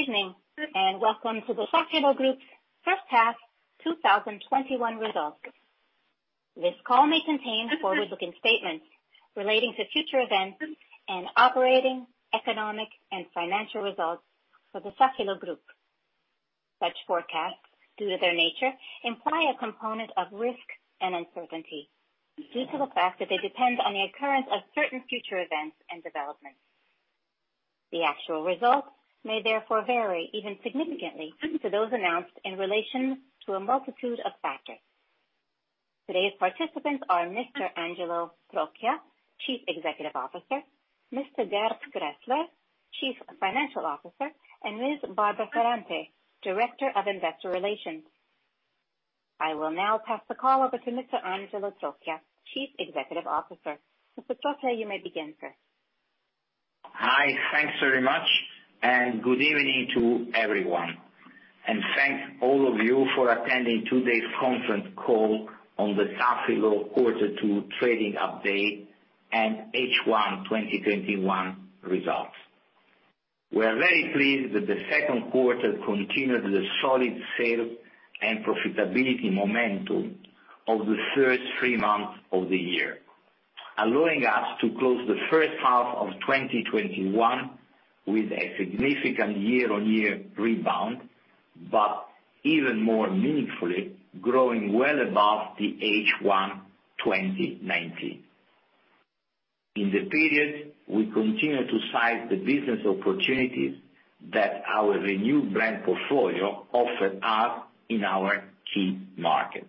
Good evening, welcome to the Safilo Group's First Half 2021 Results. This call may contain forward-looking statements relating to future events and operating, economic, and financial results for the Safilo Group. Such forecasts, due to their nature, imply a component of risk and uncertainty due to the fact that they depend on the occurrence of certain future events and developments. The actual results may therefore vary, even significantly, to those announced in relation to a multitude of factors. Today's participants are Mr. Angelo Trocchia, Chief Executive Officer, Mr. Gerd Graehsler, Chief Financial Officer, and Ms. Barbara Ferrante, Director of Investor Relations. I will now pass the call over to Mr. Angelo Trocchia, Chief Executive Officer. Mr. Trocchia, you may begin, sir. Hi. Thanks very much. Good evening to everyone. Thanks all of you for attending today's conference call on the Safilo quarter two trading update and H1 2021 results. We are very pleased that the second quarter continued the solid sales and profitability momentum of the first three months of the year, allowing us to close the first half of 2021 with a significant year-on-year rebound, even more meaningfully, growing well above the H1 2019. In the period, we continue to size the business opportunities that our renewed brand portfolio offered us in our key markets.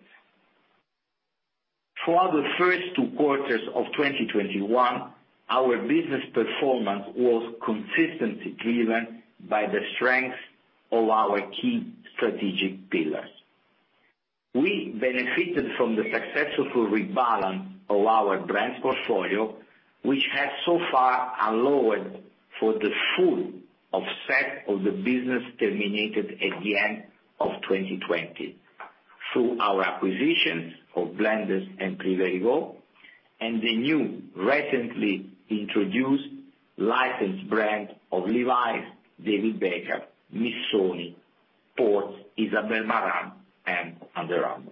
For the first two quarters of 2021, our business performance was consistently driven by the strength of our key strategic pillars. We benefited from the successful rebalance of our brand portfolio, which has so far allowed for the full offset of the business terminated at the end of 2020 through our acquisitions of Blenders and Privé Revaux, and the new recently introduced licensed brand of Levi's, David Beckham, Missoni, Ports, Isabel Marant, and Under Armour.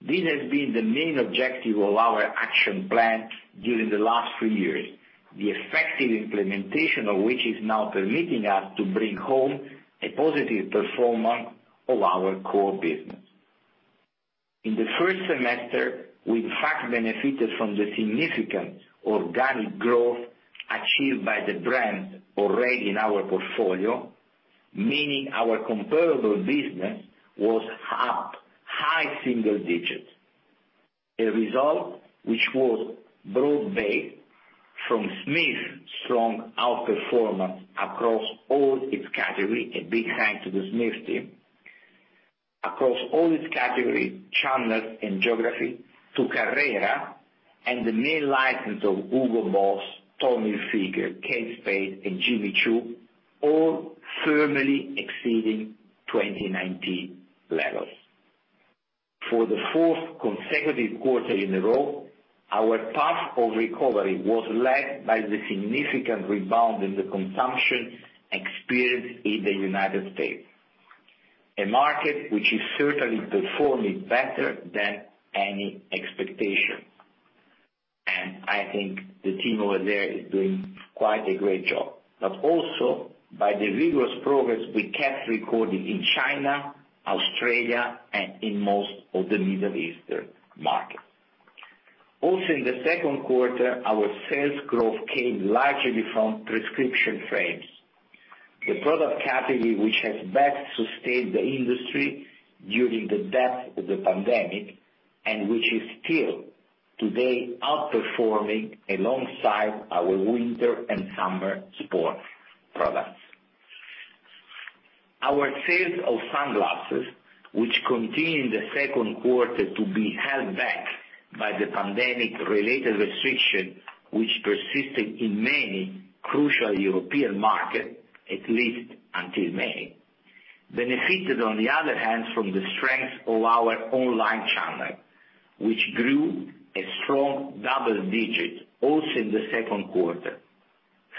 This has been the main objective of our action plan during the last three years, the effective implementation of which is now permitting us to bring home a positive performance of our core business. In the first semester, we in fact benefited from the significant organic growth achieved by the brand already in our portfolio, meaning our comparable business was up high single digits. A result which was broad-based from Smith's strong outperformance across all its category. A big thanks to the Smith team. Across all its category, channels, and geography to Carrera and the main license of Hugo Boss, Tommy Hilfiger, Kate Spade, and Jimmy Choo, all firmly exceeding 2019 levels. For the fourth consecutive quarter in a row, our path of recovery was led by the significant rebound in the consumption experienced in the United States, a market which is certainly performing better than any expectation. I think the team over there is doing quite a great job. Also by the vigorous progress we kept recording in China, Australia, and in most of the Middle Eastern markets. Also, in the second quarter, our sales growth came largely from prescription frames, the product category which has best sustained the industry during the depth of the pandemic and which is still today outperforming alongside our winter and summer sports products. Our sales of sunglasses, which continued the second quarter to be held back by the pandemic-related restriction which persisted in many crucial European markets, at least until May, benefited, on the other hand, from the strength of our online channel, which grew a strong double digits also in the second quarter,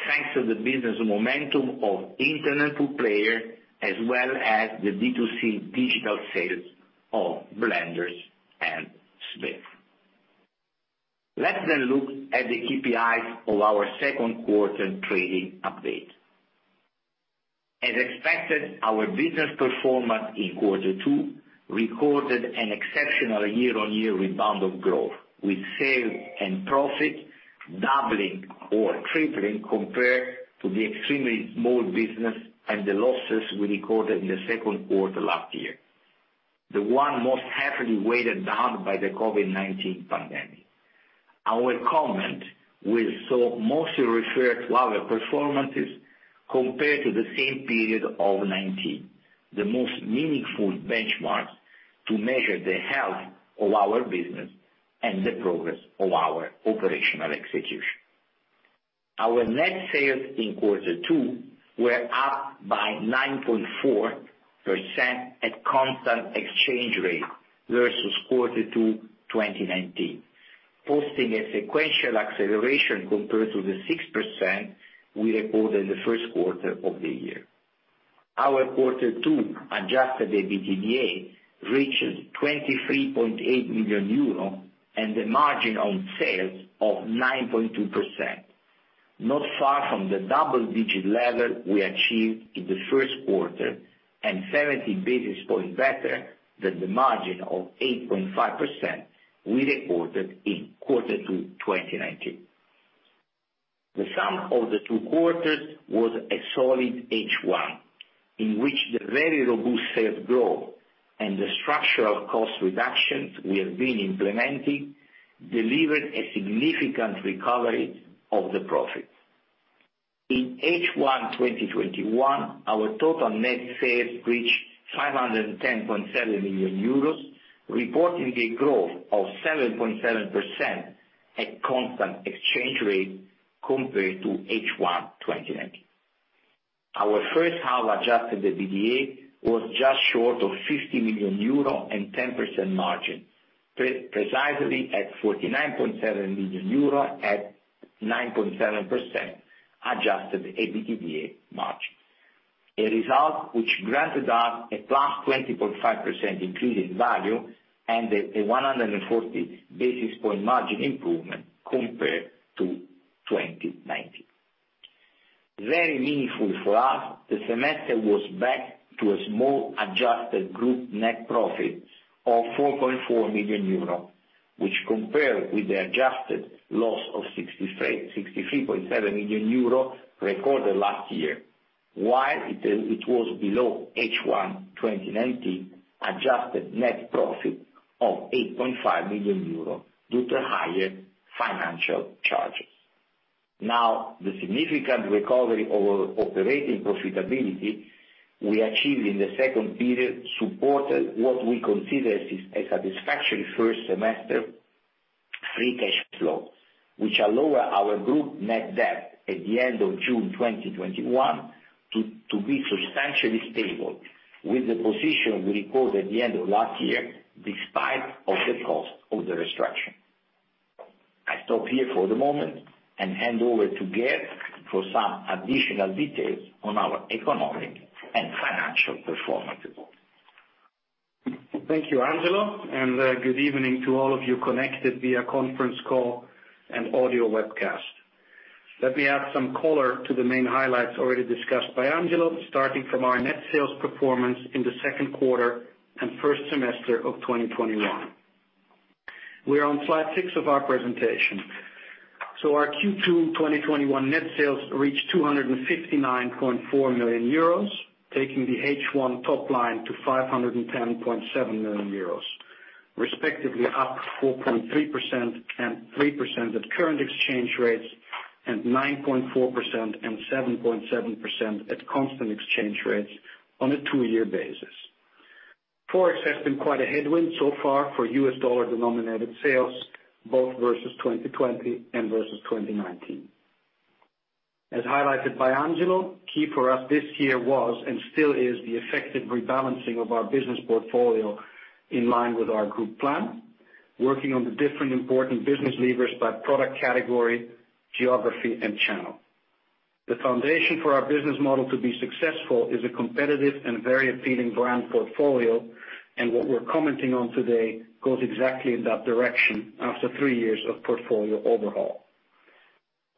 thanks to the business momentum of internet player as well as the B2C digital sales of Blenders and Smith. Let's look at the KPIs of our second quarter trading update. As expected, our business performance in quarter two recorded an exceptional year-on-year rebound of growth with sales and profit doubling or tripling compared to the extremely small business and the losses we recorded in the second quarter last year, the one most heavily weighted down by the COVID-19 pandemic. Our comment will mostly refer to our performances compared to the same period of 2019, the most meaningful benchmarks to measure the health of our business and the progress of our operational execution. Our net sales in quarter two were up by 9.4% at constant exchange rate versus quarter two 2019, posting a sequential acceleration compared to the 6% we reported the first quarter of the year. Our quarter two adjusted EBITDA reaches 23.8 million euro, and the margin on sales of 9.2%, not far from the double-digit level we achieved in the first quarter, and 70 basis points better than the margin of 8.5% we reported in quarter two 2019. The sum of the two quarters was a solid H1, in which the very robust sales growth and the structural cost reductions we have been implementing delivered a significant recovery of the profit. In H1 2021, our total net sales reached 510.7 million euros, reporting a growth of 7.7% at constant exchange rate compared to H1 2019. Our first half adjusted EBITDA was just short of 50 million euro and 10% margin, precisely at 49.7 million euro at 9.7% adjusted EBITDA margin. A result which granted us a plus 20.5% increase in value and a 140 basis point margin improvement compared to 2019. Very meaningful for us, the semester was back to a small adjusted group net profit of 4.4 million euro, which compared with the adjusted loss of 63.7 million euro recorded last year, while it was below H1 2019 adjusted net profit of 8.5 million euro due to higher financial charges. The significant recovery over operating profitability we achieved in the second period supported what we consider a satisfactory first semester free cash flow, which are lower our group net debt at the end of June 2021 to be substantially stable with the position we recorded at the end of last year, despite of the cost of the restructure. I stop here for the moment and hand over to Gerd for some additional details on our economic and financial performance. Thank you, Angelo. Good evening to all of you connected via conference call and audio webcast. Let me add some color to the main highlights already discussed by Angelo, starting from our net sales performance in the second quarter and first semester of 2021. We are on slide six of our presentation. Our Q2 2021 net sales reached 259.4 million euros, taking the H1 top line to 510.7 million euros, respectively up 4.3% and 3% at current exchange rates, and 9.4% and 7.7% at constant exchange rates on a two-year basis. Forex has been quite a headwind so far for U.S. dollar denominated sales, both versus 2020 and versus 2019. As highlighted by Angelo, key for us this year was and still is the effective rebalancing of our business portfolio in line with our group plan, working on the different important business levers by product category, geography, and channel. The foundation for our business model to be successful is a competitive and very appealing brand portfolio. What we're commenting on today goes exactly in that direction after three years of portfolio overhaul.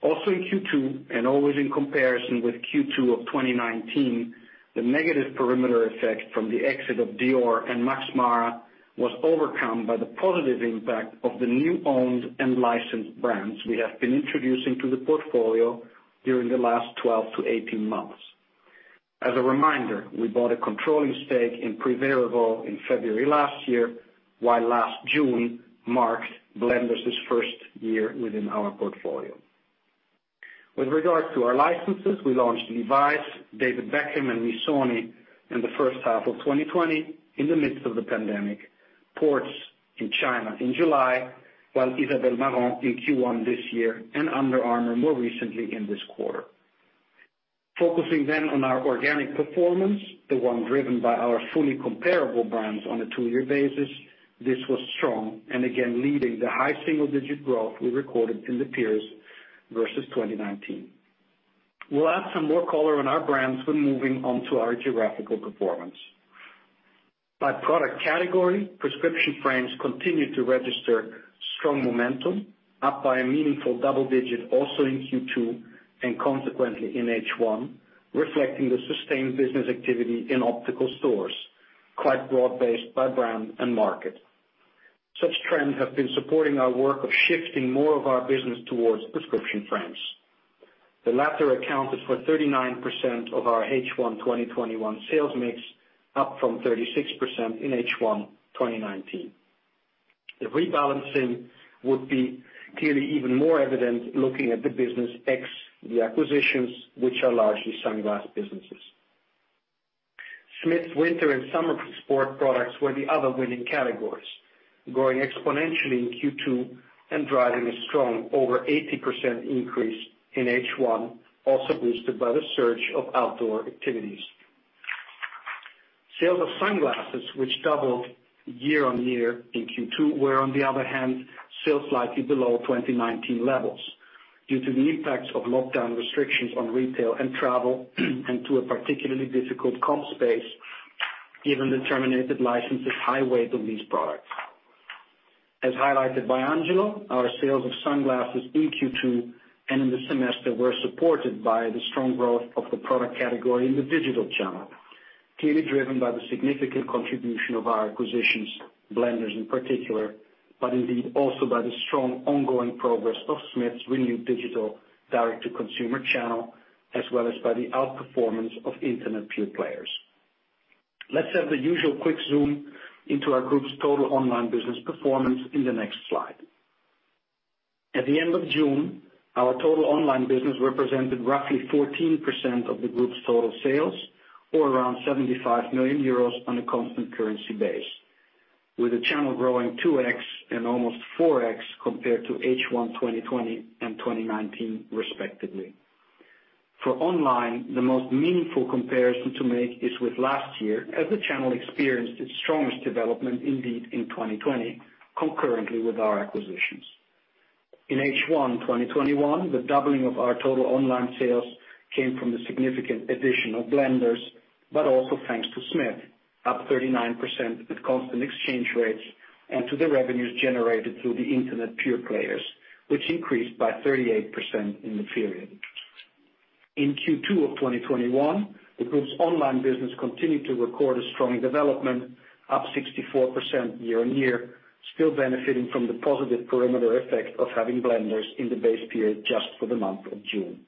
In Q2, and always in comparison with Q2 of 2019, the negative perimeter effect from the exit of Dior and Max Mara was overcome by the positive impact of the new owned and licensed brands we have been introducing to the portfolio during the last 12 to 18 months. As a reminder, we bought a controlling stake in Privé Revaux in February last year, while last June marked Blenders' first year within our portfolio. With regards to our licenses, we launched Levi's, David Beckham, and Missoni in the first half of 2020 in the midst of the pandemic, Ports in China in July, while Isabel Marant in Q1 this year, and Under Armour more recently in this quarter. Focusing on our organic performance, the one driven by our fully comparable brands on a two-year basis, this was strong, and again, leading the high single-digit growth we recorded in the periods versus 2019. We'll add some more color on our brands when moving on to our geographical performance. By product category, prescription frames continued to register strong momentum, up by a meaningful double-digit also in Q2, and consequently in H1, reflecting the sustained business activity in optical stores, quite broad-based by brand and market. Such trends have been supporting our work of shifting more of our business towards prescription frames. The latter accounted for 39% of our H1 2021 sales mix, up from 36% in H1 2019. The rebalancing would be clearly even more evident looking at the business ex the acquisitions, which are largely sunglass businesses. Smith's winter and summer sport products were the other winning categories growing exponentially in Q2 and driving a strong over 80% increase in H1, also boosted by the surge of outdoor activities. Sales of sunglasses, which doubled year-on-year in Q2, were on the other hand, still slightly below 2019 levels due to the impacts of lockdown restrictions on retail and travel, and to a particularly difficult comp base, given the terminated license's high weight of these products. As highlighted by Angelo, our sales of sunglasses in Q2 and in the semester were supported by the strong growth of the product category in the digital channel, clearly driven by the significant contribution of our acquisitions, Blenders in particular, but indeed also by the strong ongoing progress of Smith's renewed digital direct to consumer channel, as well as by the outperformance of internet pure players. Let's have the usual quick zoom into our group's total online business performance in the next slide. At the end of June, our total online business represented roughly 14% of the group's total sales, or around 75 million euros on a constant currency base, with the channel growing 2x and almost 4x compared to H1 2020 and 2019 respectively. For online, the most meaningful comparison to make is with last year, as the channel experienced its strongest development indeed in 2020, concurrently with our acquisitions. In H1 2021, the doubling of our total online sales came from the significant addition of Blenders, but also thanks to Smith, up 39% at constant exchange rates and to the revenues generated through the internet pure players, which increased by 38% in the period. In Q2 of 2021, the group's online business continued to record a strong development, up 64% year-over-year, still benefiting from the positive perimeter effect of having Blenders in the base period just for the month of June.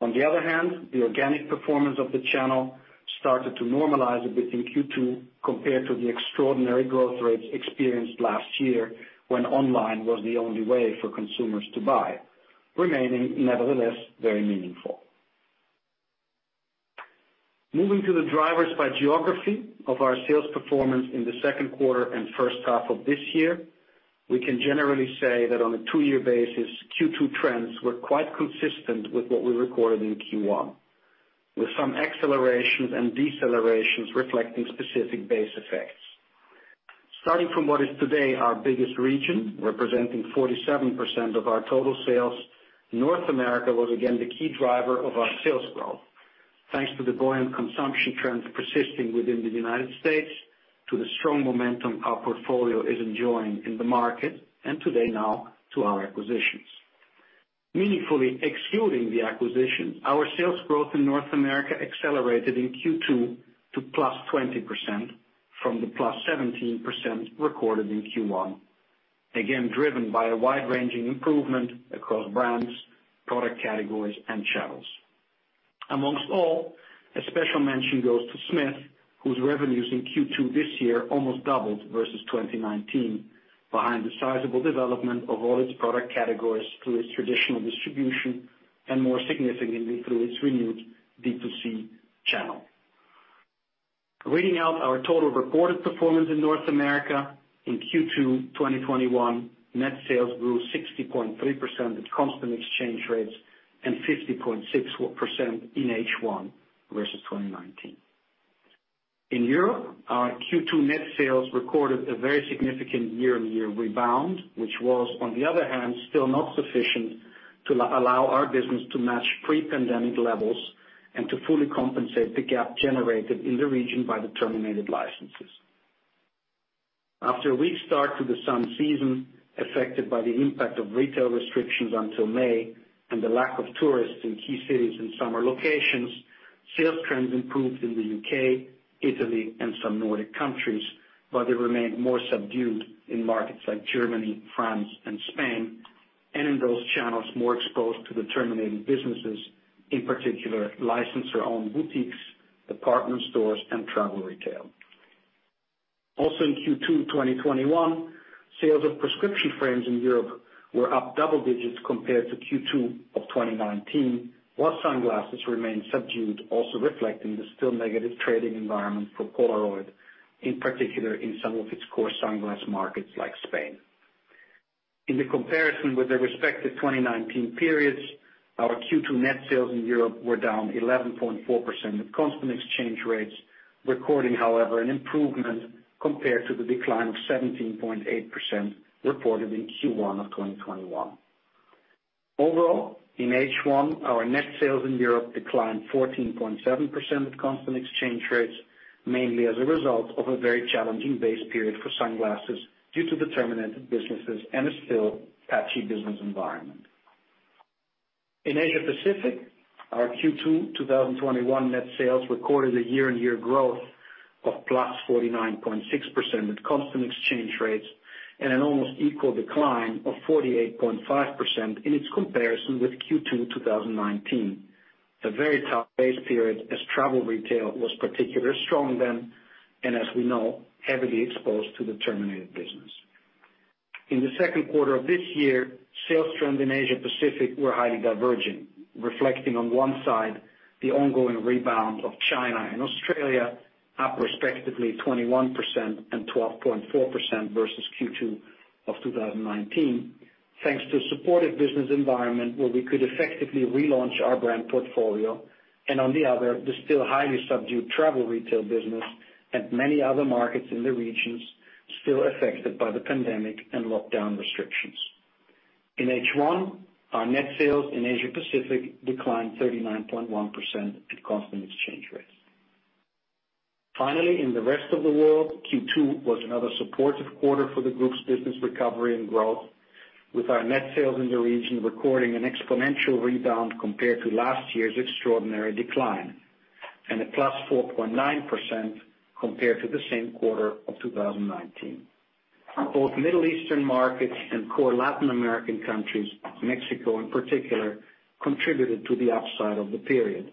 On the other hand, the organic performance of the channel started to normalize a bit in Q2 compared to the extraordinary growth rates experienced last year when online was the only way for consumers to buy, remaining, nevertheless, very meaningful. Moving to the drivers by geography of our sales performance in the second quarter and first half of this year, we can generally say that on a two-year basis, Q2 trends were quite consistent with what we recorded in Q1, with some accelerations and decelerations reflecting specific base effects. Starting from what is today our biggest region, representing 47% of our total sales, North America was again the key driver of our sales growth, thanks to the buoyant consumption trends persisting within the United States to the strong momentum our portfolio is enjoying in the market, and today now to our acquisitions. Meaningfully excluding the acquisition, our sales growth in North America accelerated in Q2 to +20% from the +17% recorded in Q1, again driven by a wide-ranging improvement across brands, product categories and channels. Amongst all, a special mention goes to Smith, whose revenues in Q2 this year almost doubled versus 2019 behind the sizable development of all its product categories through its traditional distribution and more significantly through its renewed B2C channel. Reading out our total reported performance in North America in Q2 2021, net sales grew 60.3% at constant exchange rates and 50.6% in H1 versus 2019. In Europe, our Q2 net sales recorded a very significant year-on-year rebound, which was, on the other hand, still not sufficient to allow our business to match pre-pandemic levels and to fully compensate the gap generated in the region by the terminated licenses. After a weak start to the sun season affected by the impact of retail restrictions until May and the lack of tourists in key cities and summer locations, sales trends improved in the U.K., Italy and some Nordic countries, but they remained more subdued in markets like Germany, France and Spain, and in those channels more exposed to the terminated businesses, in particular, licensor-owned boutiques, department stores and travel retail. Also in Q2 2021, sales of prescription frames in Europe were up double digits compared to Q2 of 2019, while sunglasses remained subdued, also reflecting the still negative trading environment for Polaroid, in particular in some of its core sunglass markets like Spain. In the comparison with the respective 2019 periods, our Q2 net sales in Europe were down 11.4% at constant exchange rates, recording, however, an improvement compared to the decline of 17.8% reported in Q1 of 2021. Overall, in H1, our net sales in Europe declined 14.7% at constant exchange rates, mainly as a result of a very challenging base period for sunglasses due to the terminated businesses and a still patchy business environment. In Asia Pacific, our Q2 2021 net sales recorded a year-on-year growth of +49.6% at constant exchange rates and an almost equal decline of 48.5% in its comparison with Q2 2019. A very tough base period as travel retail was particularly strong then, and as we know, heavily exposed to the terminated business. In the second quarter of this year, sales trends in Asia Pacific were highly divergent, reflecting on one side the ongoing rebound of China and Australia, up respectively 21% and 12.4% versus Q2 of 2019, thanks to a supportive business environment where we could effectively relaunch our brand portfolio. On the other, the still highly subdued travel retail business and many other markets in the regions still affected by the pandemic and lockdown restrictions. In H1, our net sales in Asia Pacific declined 39.1% at constant exchange rates. In the rest of the world, Q2 was another supportive quarter for the group's business recovery and growth, with our net sales in the region recording an exponential rebound compared to last year's extraordinary decline, and a plus 4.9% compared to the same quarter of 2019. Both Middle Eastern markets and core Latin American countries, Mexico in particular, contributed to the upside of the period.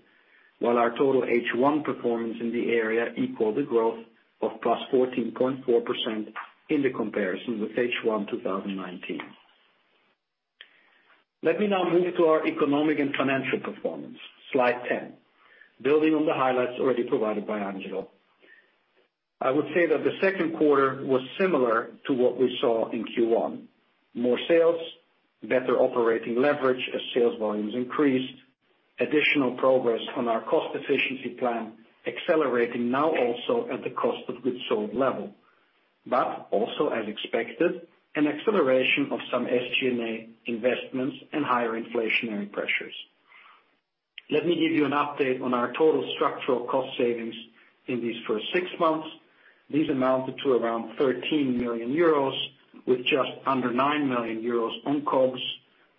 Our total H1 performance in the area equaled the growth of +14.4% in the comparison with H1 2019. Let me now move to our economic and financial performance. Slide 10. Building on the highlights already provided by Angelo, I would say that the second quarter was similar to what we saw in Q1. More sales, better operating leverage as sales volumes increased, additional progress on our cost efficiency plan, accelerating now also at the COGS level, but also as expected, an acceleration of some SG&A investments and higher inflationary pressures. Let me give you an update on our total structural cost savings in these first six months. These amounted to around 13 million euros with just under 9 million euros on COGS,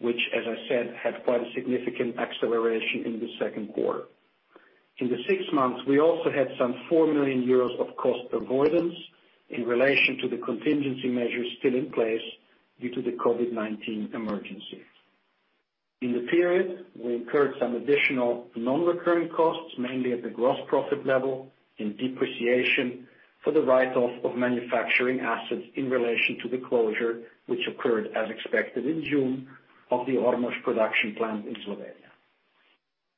which as I said, had quite a significant acceleration in the second quarter. In the six months, we also had some 4 million euros of cost avoidance in relation to the contingency measures still in place due to the COVID-19 emergency. In the period, we incurred some additional non-recurring costs, mainly at the gross profit level in depreciation for the write-off of manufacturing assets in relation to the closure, which occurred as expected in June of the Ormož production plant in Slovenia.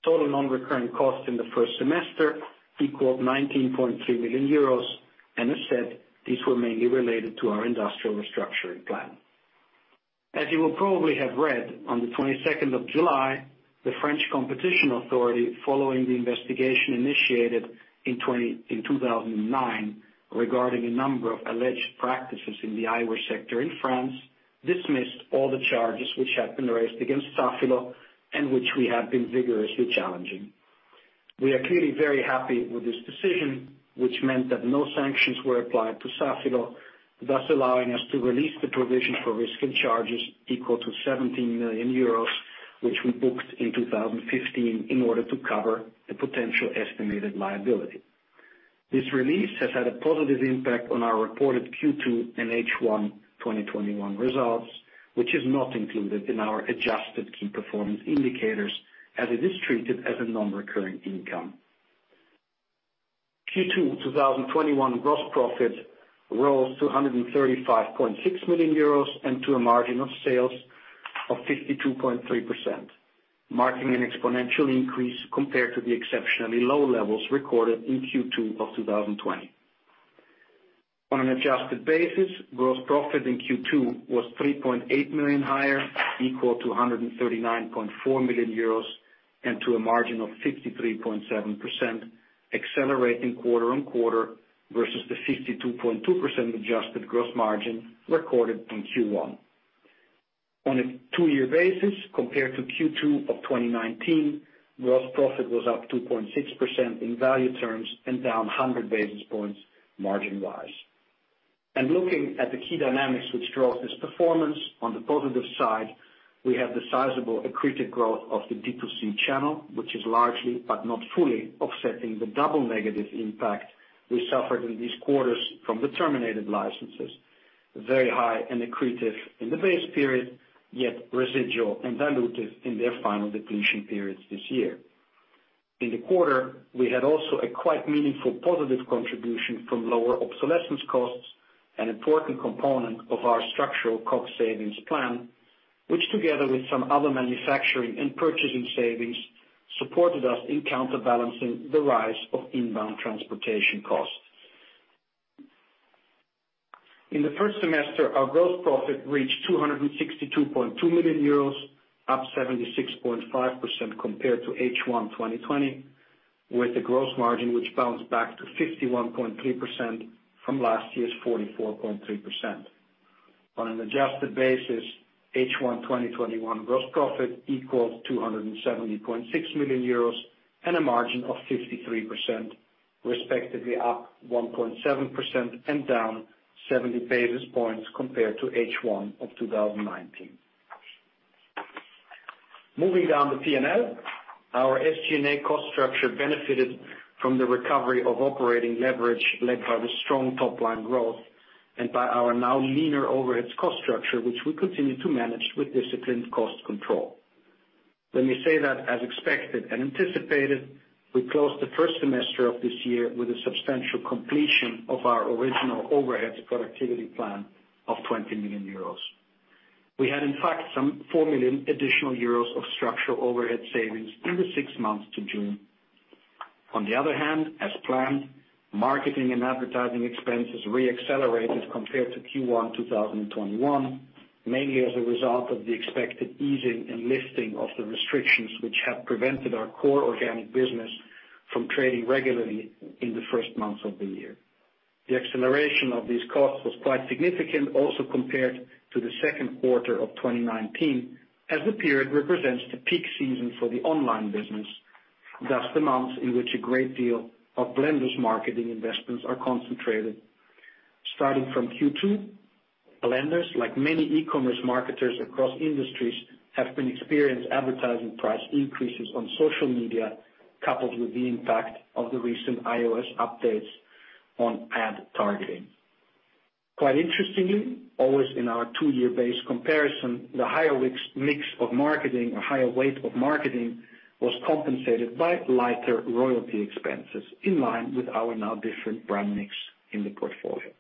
Total non-recurring costs in the first semester equaled 19.3 million euros, as said, these were mainly related to our industrial restructuring plan. As you will probably have read, on the 22nd of July, the French Competition Authority, following the investigation initiated in 2009 regarding a number of alleged practices in the eyewear sector in France, dismissed all the charges which had been raised against Safilo and which we have been vigorously challenging. We are clearly very happy with this decision, which meant that no sanctions were applied to Safilo, thus allowing us to release the provision for risk and charges equal to 17 million euros, which we booked in 2015 in order to cover the potential estimated liability. This release has had a positive impact on our reported Q2 and H1 2021 results, which is not included in our adjusted key performance indicators as it is treated as a non-recurring income. Q2 2021 gross profit rose to 135.6 million euros and to a margin of sales of 52.3%, marking an exponential increase compared to the exceptionally low levels recorded in Q2 of 2020. On an adjusted basis, gross profit in Q2 was 3.8 million higher, equal to 139.4 million euros and to a margin of 53.7%, accelerating quarter-on-quarter versus the 52.2% adjusted gross margin recorded in Q1. On a two-year basis compared to Q2 of 2019, gross profit was up 2.6% in value terms and down 100 basis points margin-wise. Looking at the key dynamics which drove this performance, on the positive side, we have the sizable accretive growth of the D2C channel, which is largely, but not fully offsetting the double negative impact we suffered in these quarters from the terminated licenses, very high and accretive in the base period, yet residual and dilutive in their final depletion periods this year. In the quarter, we had also a quite meaningful positive contribution from lower obsolescence costs, an important component of our structural cost savings plan, which together with some other manufacturing and purchasing savings, supported us in counterbalancing the rise of inbound transportation costs. In the first semester, our gross profit reached 262.2 million euros, up 76.5% compared to H1 2020, with a gross margin which bounced back to 51.3% from last year's 44.3%. On an adjusted basis, H1 2021 gross profit equals 270.6 million euros and a margin of 53%, respectively up 1.7% and down 70 basis points compared to H1 of 2019. Moving down the P&L, our SG&A cost structure benefited from the recovery of operating leverage led by the strong top-line growth and by our now leaner overhead cost structure, which we continue to manage with disciplined cost control. When we say that as expected and anticipated, we closed the first semester of this year with a substantial completion of our original overheads productivity plan of 20 million euros. We had, in fact, some 4 million euros additional structural overhead savings in the six months to June. On the other hand, as planned, marketing and advertising expenses re-accelerated compared to Q1 2021, mainly as a result of the expected easing and lifting of the restrictions which had prevented our core organic business from trading regularly in the first months of the year. The acceleration of these costs was quite significant also compared to the second quarter of 2019, as the period represents the peak season for the online business, thus the months in which a great deal of Blenders marketing investments are concentrated. Starting from Q2, Blenders, like many e-commerce marketers across industries, have been experienced advertising price increases on social media, coupled with the impact of the recent iOS updates on ad targeting. Quite interestingly, always in our two-year base comparison, the higher mix of marketing or higher weight of marketing was compensated by lighter royalty expenses, in line with our now different brand mix in the portfolio.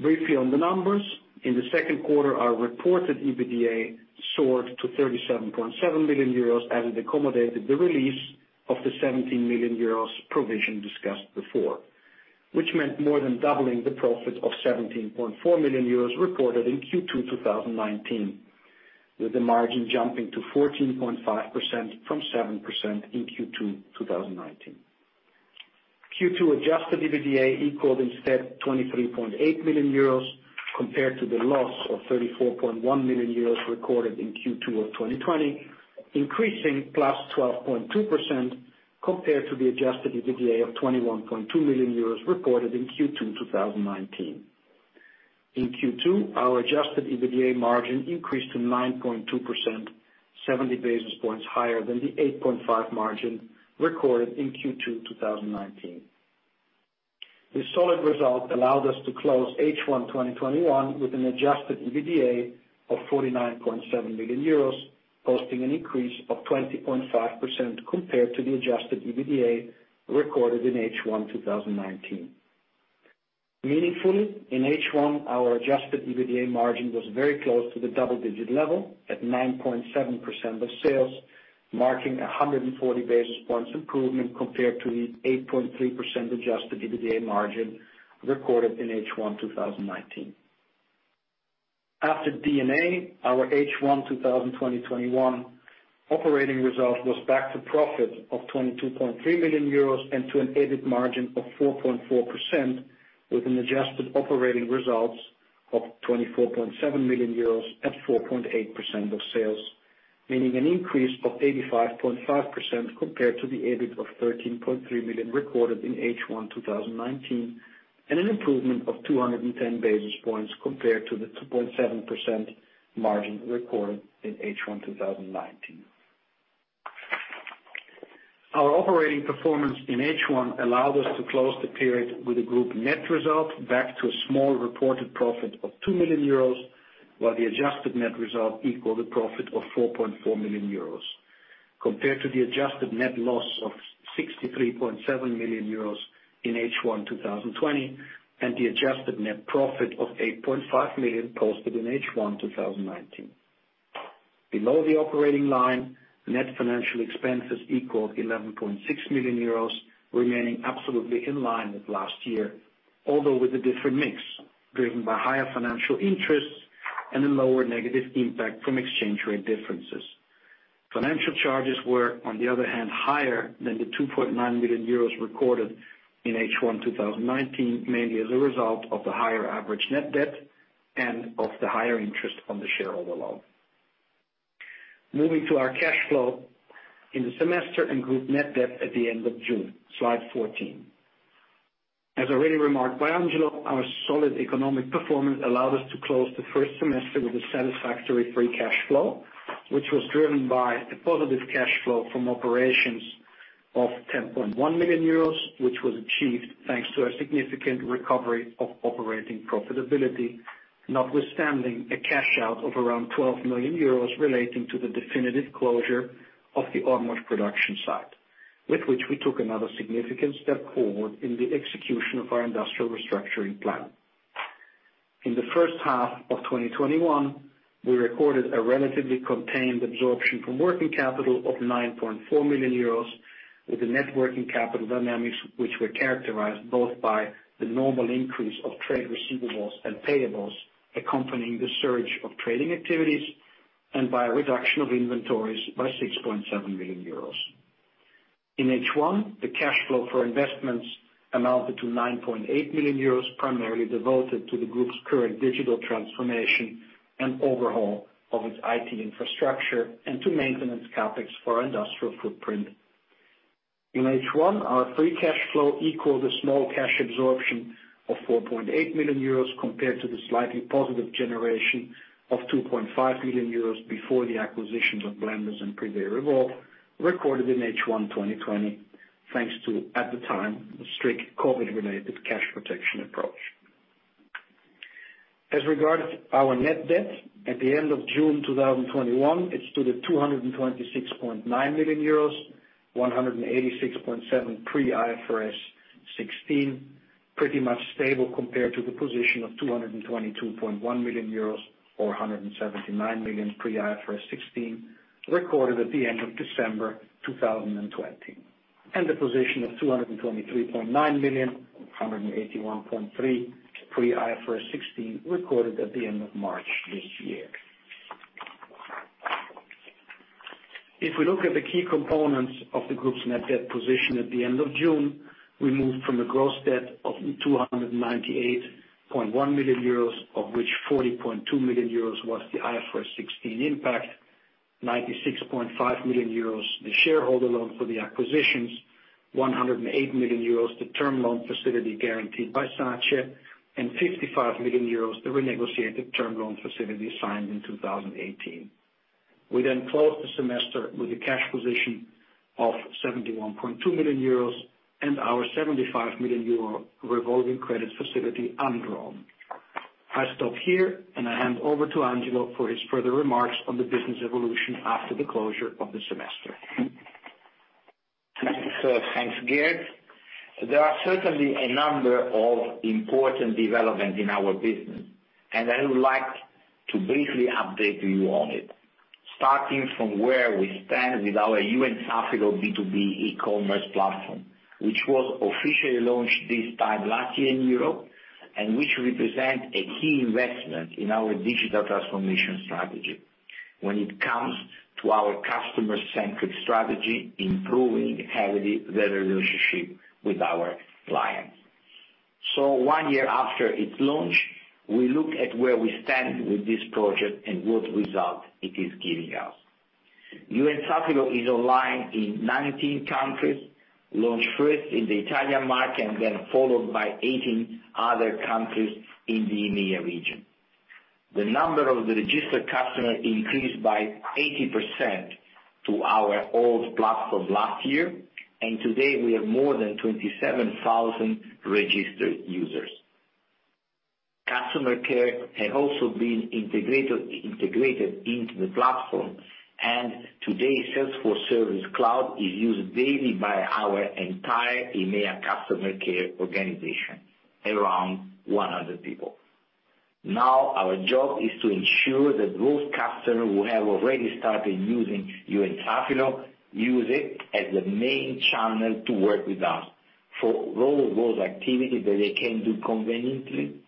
Briefly on the numbers, in the second quarter, our reported EBITDA soared to 37.7 million euros as it accommodated the release of the 17 million euros provision discussed before, which meant more than doubling the profit of 17.4 million euros reported in Q2 2019, with the margin jumping to 14.5% from 7% in Q2 2019. Q2 adjusted EBITDA equaled instead 23.8 million euros compared to the loss of 34.1 million euros recorded in Q2 2020, increasing +12.2% compared to the adjusted EBITDA of 21.2 million euros recorded in Q2 2019. In Q2, our adjusted EBITDA margin increased to 9.2%, 70 basis points higher than the 8.5% recorded in Q2 2019. The solid result allowed us to close H1 2021 with an adjusted EBITDA of 49.7 million euros, posting an increase of 20.5% compared to the adjusted EBITDA recorded in H1 2019. Meaningfully, in H1, our adjusted EBITDA margin was very close to the double-digit level at 9.7% of sales, marking 140 basis points improvement compared to the 8.3% adjusted EBITDA margin recorded in H1 2019. After D&A, our H1 2021 operating result was back to profit of 22.3 million euros and to an EBIT margin of 4.4%, with an adjusted operating results of 24.7 million euros at 4.8% of sales, meaning an increase of 85.5% compared to the EBIT of 13.3 million recorded in H1 2019, and an improvement of 210 basis points compared to the 2.7% margin recorded in H1 2019. Our operating performance in H1 allowed us to close the period with a group net result back to a small reported profit of 2 million euros, while the adjusted net result equaled a profit of 4.4 million euros. Compared to the adjusted net loss of 63.7 million euros in H1 2020, and the adjusted net profit of 8.5 million posted in H1 2019. Below the operating line, net financial expenses equaled 11.6 million euros, remaining absolutely in line with last year, although with a different mix driven by higher financial interests and a lower negative impact from exchange rate differences. Financial charges were, on the other hand, higher than the 2.9 million euros recorded in H1 2019, mainly as a result of the higher average net debt and of the higher interest on the shareholder loan. Moving to our cash flow in the semester and group net debt at the end of June, slide 14. As already remarked by Angelo, our solid economic performance allowed us to close the first semester with a satisfactory free cash flow, which was driven by a positive cash flow from operations of 10.1 million euros, which was achieved thanks to a significant recovery of operating profitability, notwithstanding a cash out of around 12 million euros relating to the definitive closure of the Ormož production site, with which we took another significant step forward in the execution of our industrial restructuring plan. In the first half of 2021, we recorded a relatively contained absorption from working capital of 9.4 million euros with the net working capital dynamics, which were characterized both by the normal increase of trade receivables and payables accompanying the surge of trading activities and by a reduction of inventories by 6.7 million euros. In H1, the cash flow for investments amounted to 9.8 million euros, primarily devoted to the group's current digital transformation and overhaul of its IT infrastructure and to maintenance CapEx for our industrial footprint. In H1, our free cash flow equals a small cash absorption of 4.8 million euros compared to the slightly positive generation of 2.5 million euros before the acquisitions of Blenders and Privé Revaux recorded in H1 2020, thanks to, at the time, the strict COVID-related cash protection approach. As regards our net debt at the end of June 2021, it stood at 226.9 million euros, 186.7 pre-IFRS 16, pretty much stable compared to the position of 222.1 million euros or 179 million pre-IFRS 16 recorded at the end of December 2020, and the position of 223.9 million, 181.3 pre-IFRS 16 recorded at the end of March this year. If we look at the key components of the group's net debt position at the end of June, we moved from a gross debt of 298.1 million euros, of which 40.2 million euros was the IFRS 16 impact, 96.5 million euros the shareholder loan for the acquisitions, 108 million euros the term loan facility guaranteed by SACE, and 55 million euros the renegotiated term loan facility signed in 2018. We closed the semester with a cash position of 71.2 million euros and our 75 million euro revolving credit facility undrawn. I stop here. I hand over to Angelo for his further remarks on the business evolution after the closure of the semester. Thanks, Gerd. There are certainly a number of important developments in our business, and I would like to briefly update you on it. Starting from where we stand with our You&Safilo B2B e-commerce platform, which was officially launched this time last year in Europe, and which represents a key investment in our digital transformation strategy when it comes to our customer-centric strategy, improving heavily the relationship with our clients. One year after its launch, we look at where we stand with this project and what result it is giving us. You&Safilo is online in 19 countries, launched first in the Italian market and then followed by 18 other countries in the EMEA region. The number of the registered customers increased by 80% to our old platform last year, and today we have more than 27,000 registered users. Customer care has also been integrated into the platform. Today, Salesforce Service Cloud is used daily by our entire EMEA customer care organization, around 100 people. Our job is to ensure that those customers who have already started using You&Safilo use it as the main channel to work with us for all those activities that they can do conveniently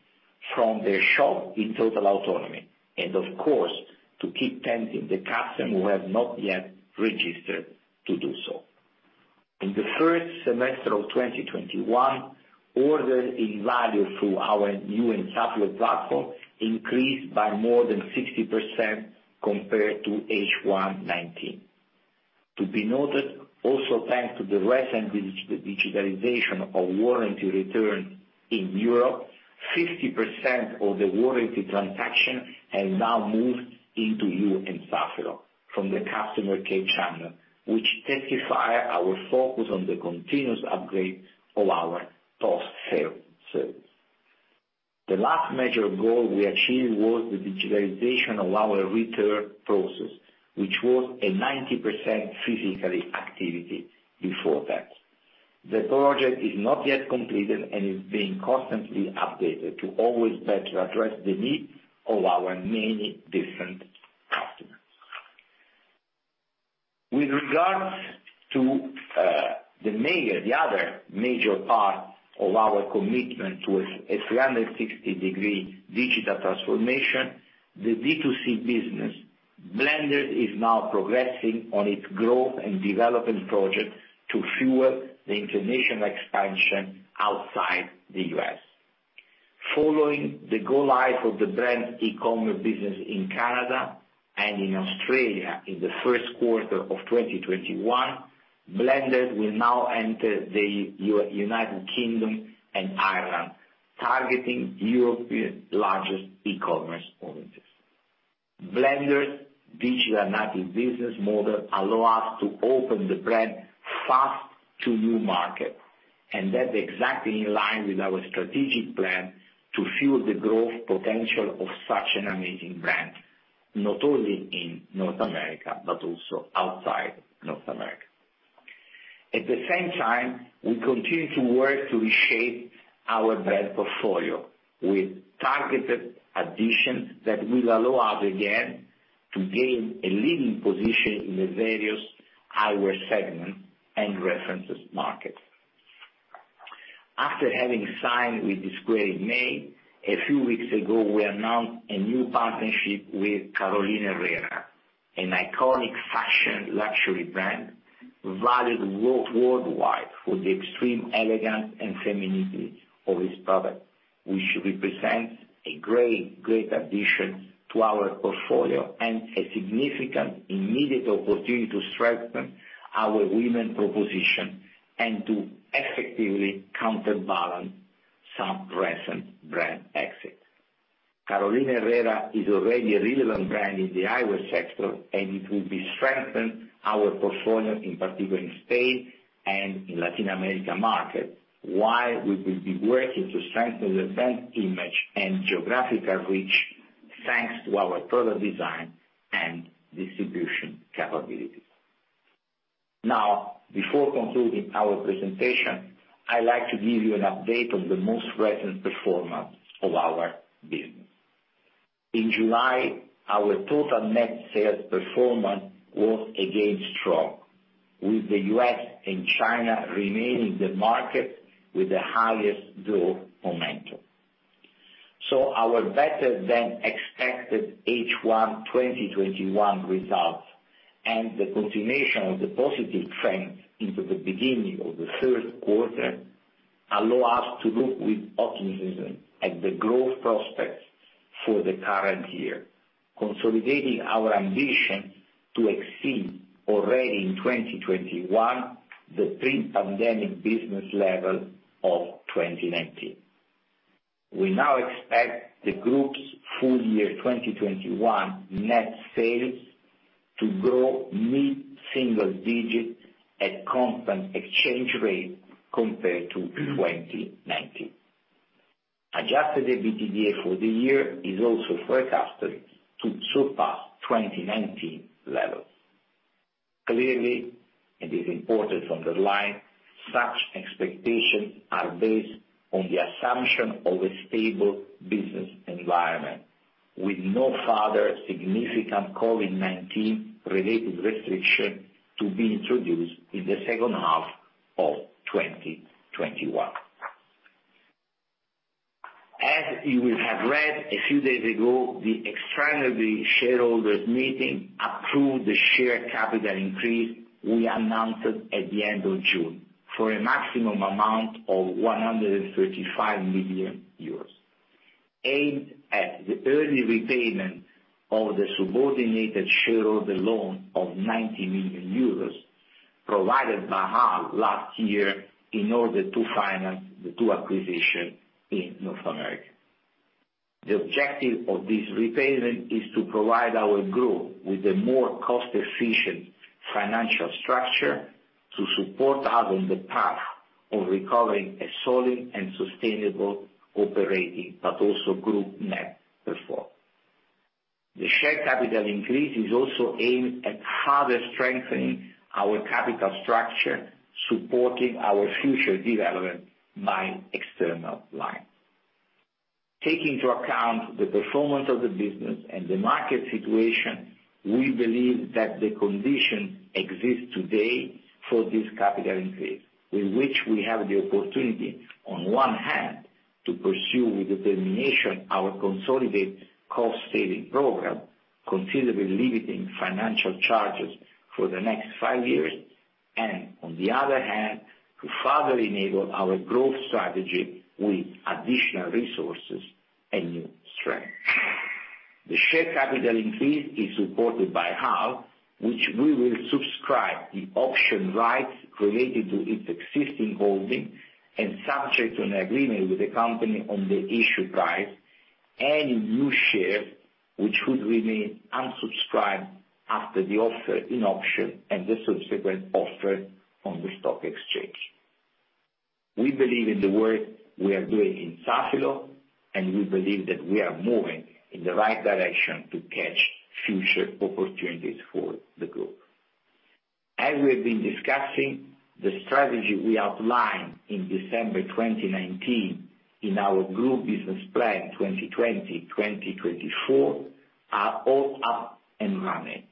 from their shop in total autonomy. Of course, to keep tempting the customer who has not yet registered to do so. In the first semester of 2021, orders in value through our You&Safilo platform increased by more than 60% compared to H1 2019. To be noted, also thanks to the recent digitalization of warranty returns in Europe, 50% of the warranty transaction has now moved into You&Safilo from the customer care channel, which testifies our focus on the continuous upgrade of our post-sale service. The last major goal we achieved was the digitalization of our return process, which was a 90% physical activity before that. The project is not yet completed and is being constantly updated to always better address the needs of our many different customers. With regards to the other major part of our commitment with a 360-degree digital transformation, the D2C business, Blenders is now progressing on its growth and development project to fuel the international expansion outside the U.S. Following the go live of the brand e-commerce business in Canada and in Australia in the first quarter of 2021, Blenders will now enter the United Kingdom and Ireland, targeting Europe's largest e-commerce audiences. Blenders' digital native business model allow us to open the brand fast to new markets, and that's exactly in line with our strategic plan to fuel the growth potential of such an amazing brand, not only in North America, but also outside North America. At the same time, we continue to work to reshape our brand portfolio with targeted additions that will allow us again to gain a leading position in the various eyewear segments and references markets. After having signed with Dsquared2 in May, a few weeks ago, we announced a new partnership with Carolina Herrera, an iconic fashion luxury brand valued worldwide for the extreme elegance and femininity of its products, which represents a great addition to our portfolio and a significant immediate opportunity to strengthen our women proposition and to effectively counterbalance some recent brand exits. Carolina Herrera is already a relevant brand in the eyewear sector. It will be strengthening our portfolio, in particular in Spain and in Latin America market, while we will be working to strengthen the brand image and geographical reach. Thanks to our product design and distribution capabilities. Before concluding our presentation, I'd like to give you an update on the most recent performance of our business. In July, our total net sales performance was again strong, with the U.S. and China remaining the market with the highest growth momentum. Our better-than-expected H1 2021 results and the continuation of the positive trend into the beginning of the third quarter allow us to look with optimism at the growth prospects for the current year, consolidating our ambition to exceed already in 2021, the pre-pandemic business level of 2019. We now expect the group's full year 2021 net sales to grow mid-single digits at constant exchange rate compared to 2019. Adjusted EBITDA for the year is also forecasted to surpass 2019 levels. Clearly, it is important to underline such expectations are based on the assumption of a stable business environment with no further significant COVID-19 related restriction to be introduced in the second half of 2021. As you will have read a few days ago, the extraordinary shareholders meeting approved the share capital increase we announced at the end of June for a maximum amount of 135 million euros, aimed at the early repayment of the subordinated shareholder loan of 90 million euros provided by HAL last year in order to finance the two acquisitions in North America. The objective of this repayment is to provide our group with a more cost-efficient financial structure to support us on the path of recovering a solid and sustainable operating, but also group net performance. The share capital increase is also aimed at further strengthening our capital structure, supporting our future development by external lines. Taking into account the performance of the business and the market situation, we believe that the condition exists today for this capital increase, with which we have the opportunity, on one hand, to pursue with determination our consolidated cost-saving program, considerably limiting financial charges for the next five years and, on the other hand, to further enable our growth strategy with additional resources and new strength. The share capital increase is supported by HAL, which we will subscribe the option rights related to its existing holding and subject to an agreement with the company on the issue price, any new share which would remain unsubscribed after the offer in option and the subsequent offer on the stock exchange. We believe in the work we are doing in Safilo, and we believe that we are moving in the right direction to catch future opportunities for the group. As we have been discussing, the strategy we outlined in December 2019 in our group business plan 2020-2024 are all up and running,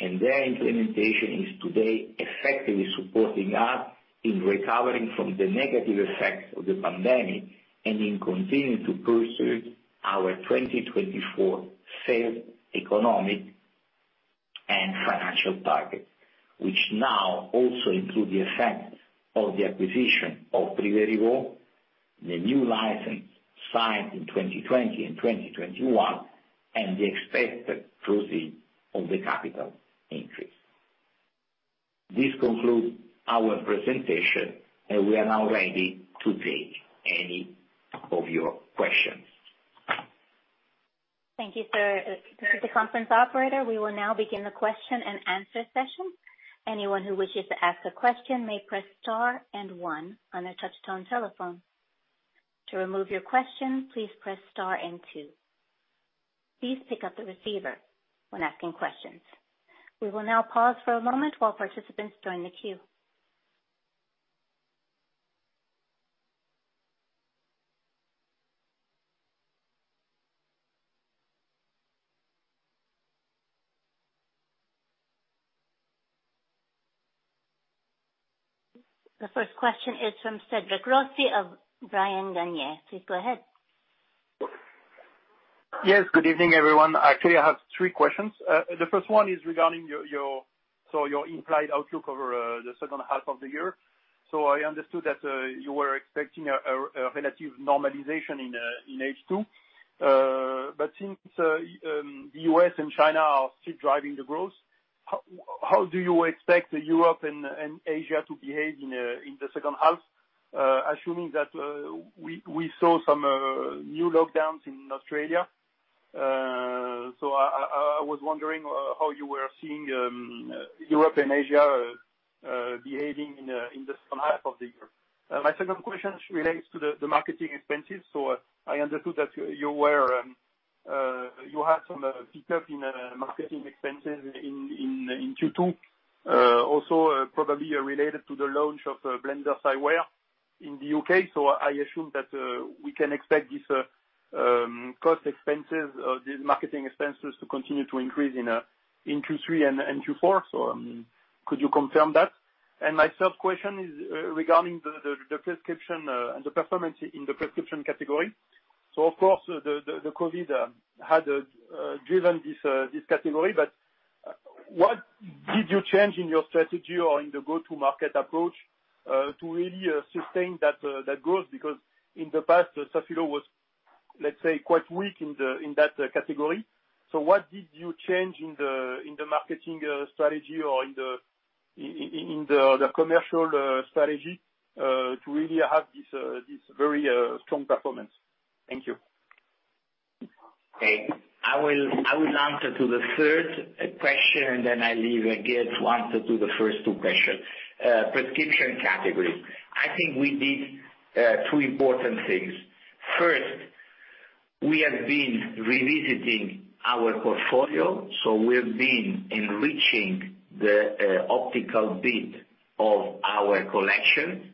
and their implementation is today effectively supporting us in recovering from the negative effects of the pandemic and in continuing to pursue our 2024 sales, economic, and financial targets, which now also include the effect of the acquisition of Privé Revaux, the new license signed in 2020 and 2021, and the expected closing of the capital increase. This concludes our presentation, and we are now ready to take any of your questions. Thank you, sir. The first question is from Cédric Rossi of Bryan, Garnier. Please go ahead. Yes, good evening, everyone. Actually, I have three questions. The first one is regarding your implied outlook over the second half of the year. I understood that you were expecting a relative normalization in H2. Since the U.S. and China are still driving the growth, how do you expect Europe and Asia to behave in the second half, assuming that we saw some new lockdowns in Australia? I was wondering how you were seeing Europe and Asia behaving in the second half of the year. My second question relates to the marketing expenses. I understood that you had some pickup in marketing expenses in Q2, also probably related to the launch of Blenders Eyewear in the U.K. I assume that we can expect these cost expenses or these marketing expenses to continue to increase in Q3 and Q4. Could you confirm that? My third question is regarding the prescription and the performance in the prescription category. Of course, the COVID had driven this category, but what did you change in your strategy or in the go-to market approach, to really sustain that growth? Because in the past, Safilo was, let's say, quite weak in that category. What did you change in the marketing strategy or in the commercial strategy, to really have this very strong performance? Thank you. Okay. I will answer to the third question and then I leave Gerd to answer to the first two questions. Prescription category. I think we did two important things. First, we have been revisiting our portfolio. We've been enriching the optical bit of our collection.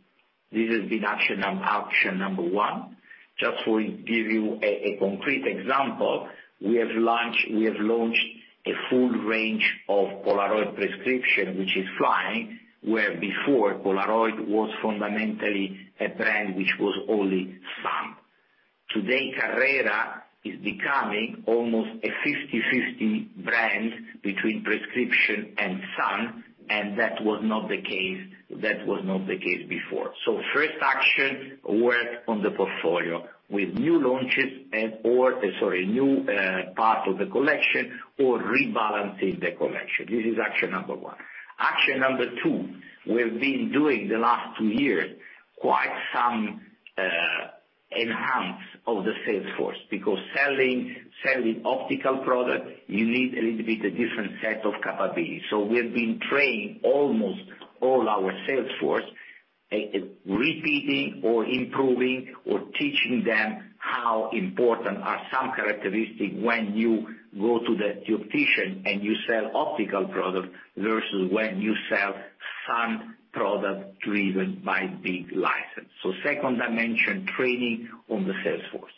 This has been action number one. Just to give you a concrete example, we have launched a full range of Polaroid prescription, which is flying, where before Polaroid was fundamentally a brand which was only sun. Today, Carrera is becoming almost a 50/50 brand between prescription and sun, and that was not the case before. First action worked on the portfolio with new launches and/or, sorry, new part of the collection or rebalancing the collection. This is action number one. Action number two, we've been doing the last two years, quite some enhancement of the sales force because selling optical product, you need a little bit a different set of capabilities. We've been training almost all our sales force, repeating or improving or teaching them how important are some characteristics when you go to the optician and you sell optical product versus when you sell sun product driven by big license. Second dimension, training on the sales force.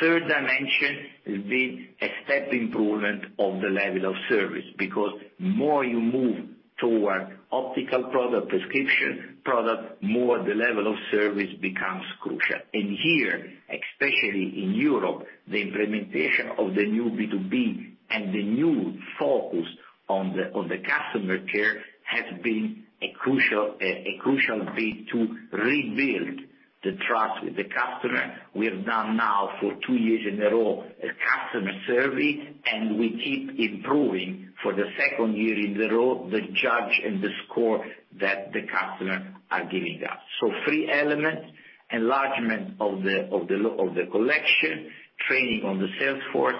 Third dimension has been a step improvement of the level of service, because more you move toward optical product, prescription product, more the level of service becomes crucial. Here, especially in Europe, the implementation of the new B2B and the new focus on the customer care has been a crucial bit to rebuild the trust with the customer. We have done now for two years in a row, a customer survey, and we keep improving for the second year in the row, the judge and the score that the customer are giving us. Three elements, enlargement of the collection, training on the sales force,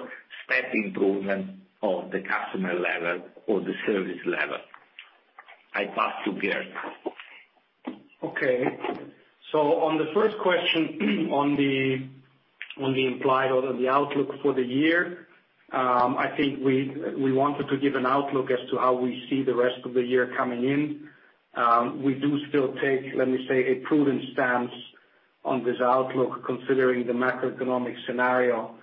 step improvement of the customer level or the service level. I pass to Gerd. Okay. On the first question on the implied or the outlook for the year, I think we wanted to give an outlook as to how we see the rest of the year coming in. We do still take, let me say, a prudent stance on this outlook considering the macroeconomic scenario,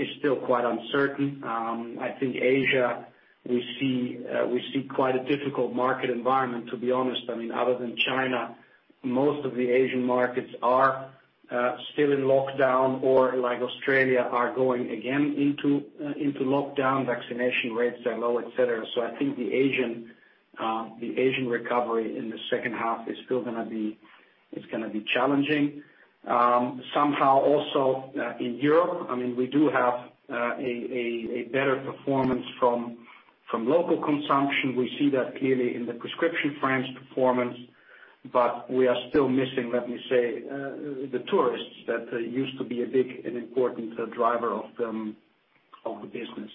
is still quite uncertain. I think Asia, we see quite a difficult market environment, to be honest. Other than China, most of the Asian markets are still in lockdown or like Australia are going again into lockdown. Vaccination rates are low, et cetera. I think the Asian recovery in the second half is still going to be challenging. Somehow also, in Europe, we do have a better performance from local consumption. We see that clearly in the prescription frames performance, but we are still missing, let me say, the tourists that used to be a big and important driver of the business.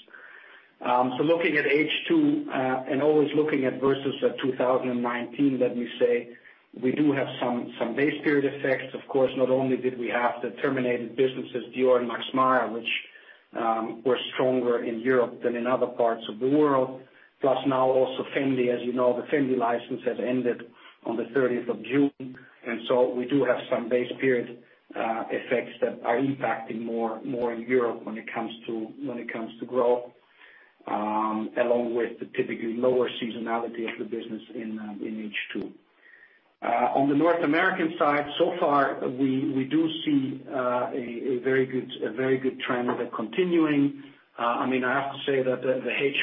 Looking at H2, and always looking at versus at 2019, let me say, we do have some base period effects. Of course, not only did we have the terminated businesses, Dior and Max Mara, which were stronger in Europe than in other parts of the world. Plus now also Fendi. As you know, the Fendi license has ended on the 30th of June. We do have some base period effects that are impacting more in Europe when it comes to growth, along with the typically lower seasonality of the business in H2. On the North American side, so far, we do see a very good trend that continuing. I have to say that the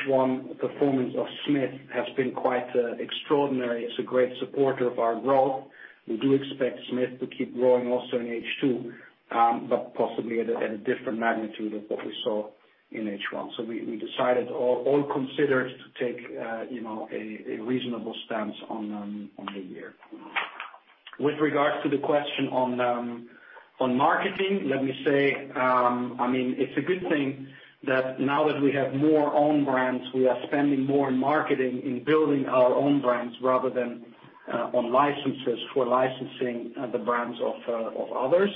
H1 performance of Smith has been quite extraordinary. It's a great supporter of our growth. We do expect Smith to keep growing also in H2, but possibly at a different magnitude of what we saw in H1. We decided, all considered, to take a reasonable stance on the year. With regards to the question on marketing, let me say, it is a good thing that now that we have more own brands, we are spending more on marketing in building our own brands rather than on licenses for licensing the brands of others.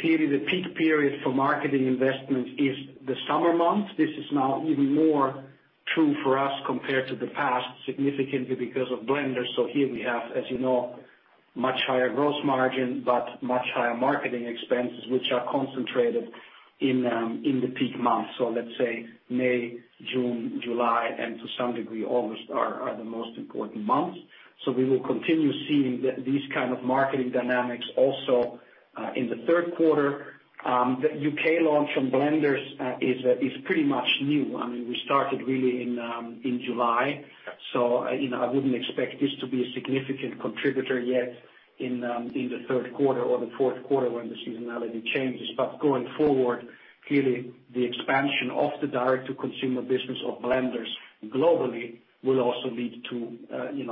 Clearly, the peak period for marketing investment is the summer months. This is now even more true for us compared to the past, significantly because of Blenders. Here we have, as you know, much higher gross margin, but much higher marketing expenses, which are concentrated in the peak months. Let's say May, June, July, and to some degree, August are the most important months. We will continue seeing these kind of marketing dynamics also, in the third quarter. The U.K. launch from Blenders is pretty much new. We started really in July. I wouldn't expect this to be a significant contributor yet in the third quarter or the fourth quarter when the seasonality changes. Going forward, clearly the expansion of the direct-to-consumer business of Blenders globally will also lead to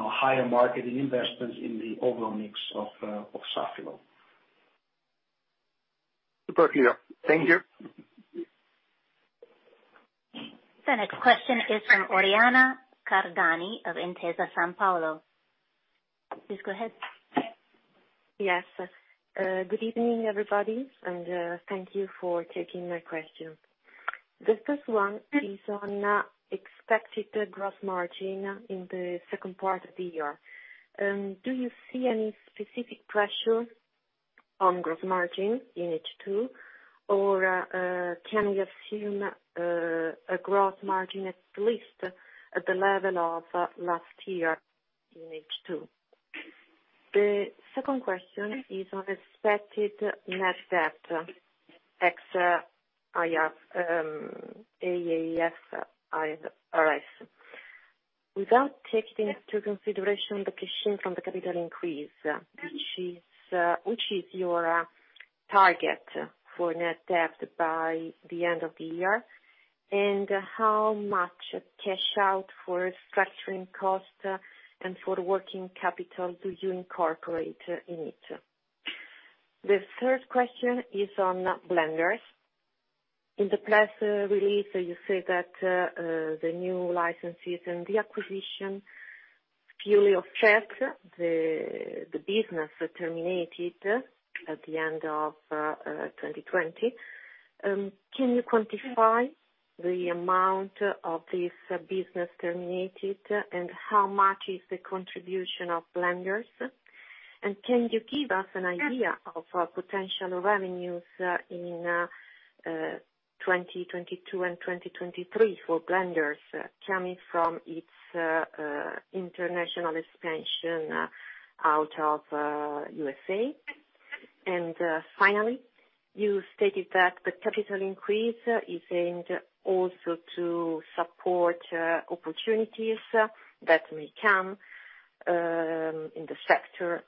higher marketing investments in the overall mix of Safilo. Super clear. Thank you. The next question is from Oriana Cardani of Intesa Sanpaolo. Please go ahead. Yes. Good evening, everybody, and thank you for taking my question. The first one is on expected gross margin in the second part of the year. Do you see any specific pressure on gross margin in H2 or can you assume a gross margin at least at the level of last year in H2? The second question is on expected net debt ex-IFRS 16. Without taking into consideration the cash-in from the capital increase, which is your target for net debt by the end of the year, and how much cash out for structuring cost and for working capital do you incorporate in it? The third question is on Blenders. In the press release, you say that the new licenses and the acquisition clearly affect the business terminated at the end of 2020. Can you quantify the amount of this business terminated and how much is the contribution of Blenders? Can you give us an idea of potential revenues in 2022 and 2023 for Blenders coming from its international expansion out of U.S.? Finally, you stated that the capital increase is aimed also to support opportunities that may come in the sector.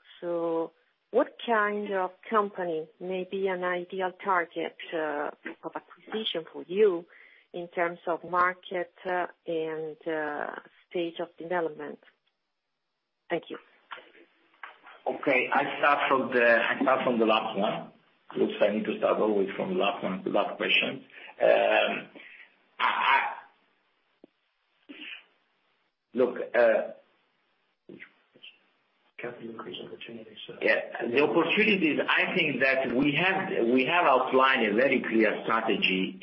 What kind of company may be an ideal target of acquisition for you in terms of market and stage of development? Thank you. Okay. I start from the last one. Looks I need to start always from the last one, the last question. Capital increase opportunities, sir. Yeah. The opportunities, I think that we have outlined a very clear strategy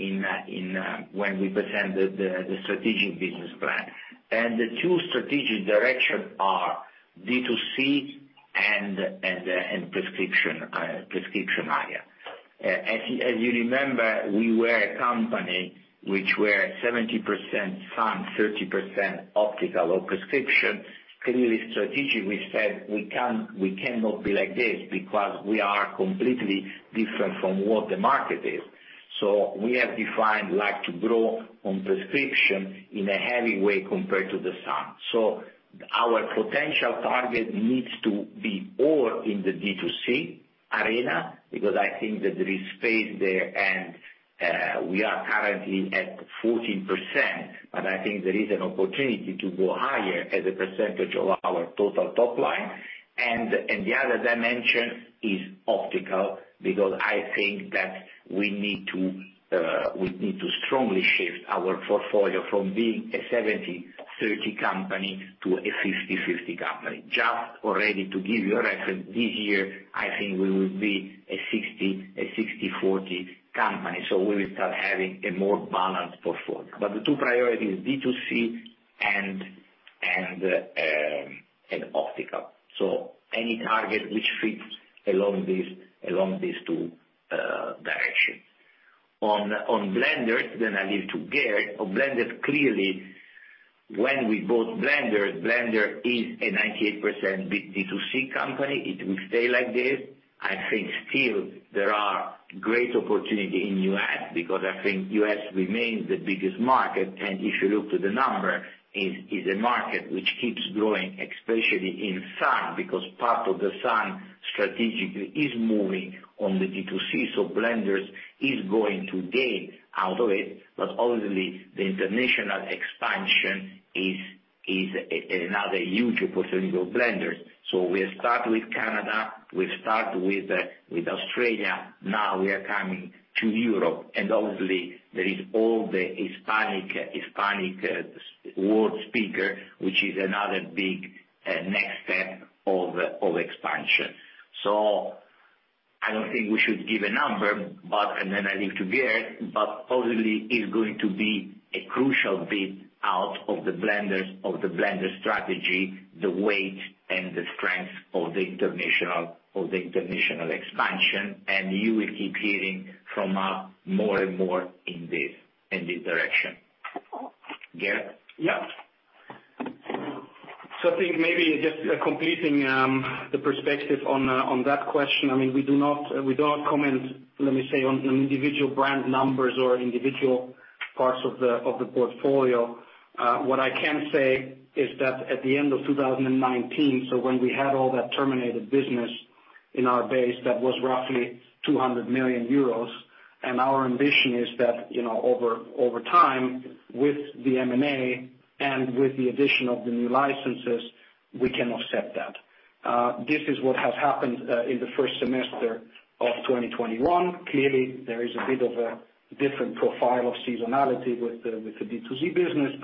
when we presented the strategic business plan. The two strategic direction are D2C and prescription area. As you remember, we were a company which were 70% sun, 30% optical or prescription. Clearly strategic, we said we cannot be like this because we are completely different from what the market is. We have defined like to grow on prescription in a heavy way compared to the sun. Our potential target needs to be more in the D2C arena, because I think that there is space there, and we are currently at 14%, but I think there is an opportunity to go higher as a percentage of our total top line. The other dimension is optical, because I think that we need to strongly shift our portfolio from being a 70/30 company to a 50/50 company. Just already to give you a reference, this year, I think we will be a 60/40 company. We will start having a more balanced portfolio. The two priority is D2C and optical. Any target which fits along these two directions. On Blenders, I leave to Gerd. On Blenders, clearly, when we bought Blenders is a 98% D2C company. It will stay like this. I think still there are great opportunities in U.S. because I think U.S. remains the biggest market, if you look to the number, is a market which keeps growing, especially in sun because part of the sun strategically is moving on the D2C, so Blenders is going to gain out of it, obviously the international expansion is another huge opportunity for Blenders. We'll start with Canada, we'll start with Australia, now we are coming to Europe, obviously there is all the Hispanic world speaker, which is another big next step of expansion. I don't think we should give a number, I leave to Gerd, obviously is going to be a crucial bit out of the Blenders strategy, the weight and the strength of the international expansion, you will keep hearing from us more and more in this direction. Gerd? Yeah. I think maybe just completing the perspective on that question. We don't comment, let me say, on individual brand numbers or individual parts of the portfolio. What I can say is that at the end of 2019, when we had all that terminated business in our base, that was roughly 200 million euros, and our ambition is that, over time, with the M&A and with the addition of the new licenses, we can offset that. This is what has happened in the first semester of 2021. Clearly, there is a bit of a different profile of seasonality with the D2C business.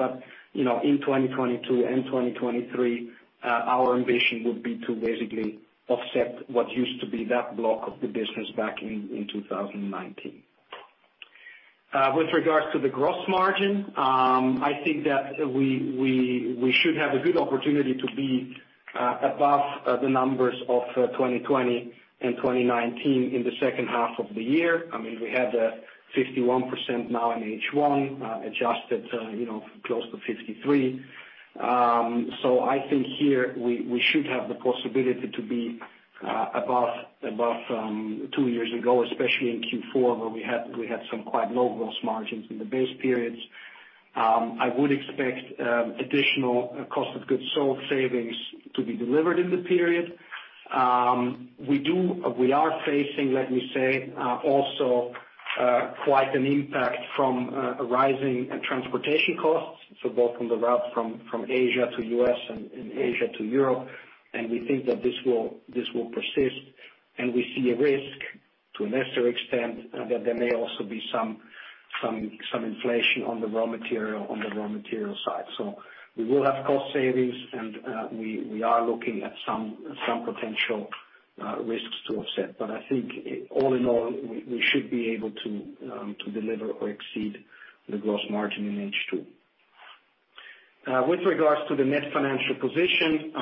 In 2022 and 2023, our ambition would be to basically offset what used to be that block of the business back in 2019. With regards to the gross margin, I think that we should have a good opportunity to be above the numbers of 2020 and 2019 in the second half of the year. We have the 51% now in H1, adjusted close to 53%. I think here we should have the possibility to be above two years ago, especially in Q4, where we had some quite low gross margins in the base periods. I would expect additional cost of goods sold savings to be delivered in the period. We are facing also quite an impact from rising transportation costs, so both from the route from Asia to U.S. and Asia to Europe, and we think that this will persist, and we see a risk to a necessary extent that there may also be some inflation on the raw material side. We will have cost savings, and we are looking at some potential risks to offset. I think all in all, we should be able to deliver or exceed the gross margin in H2. With regards to the net financial position,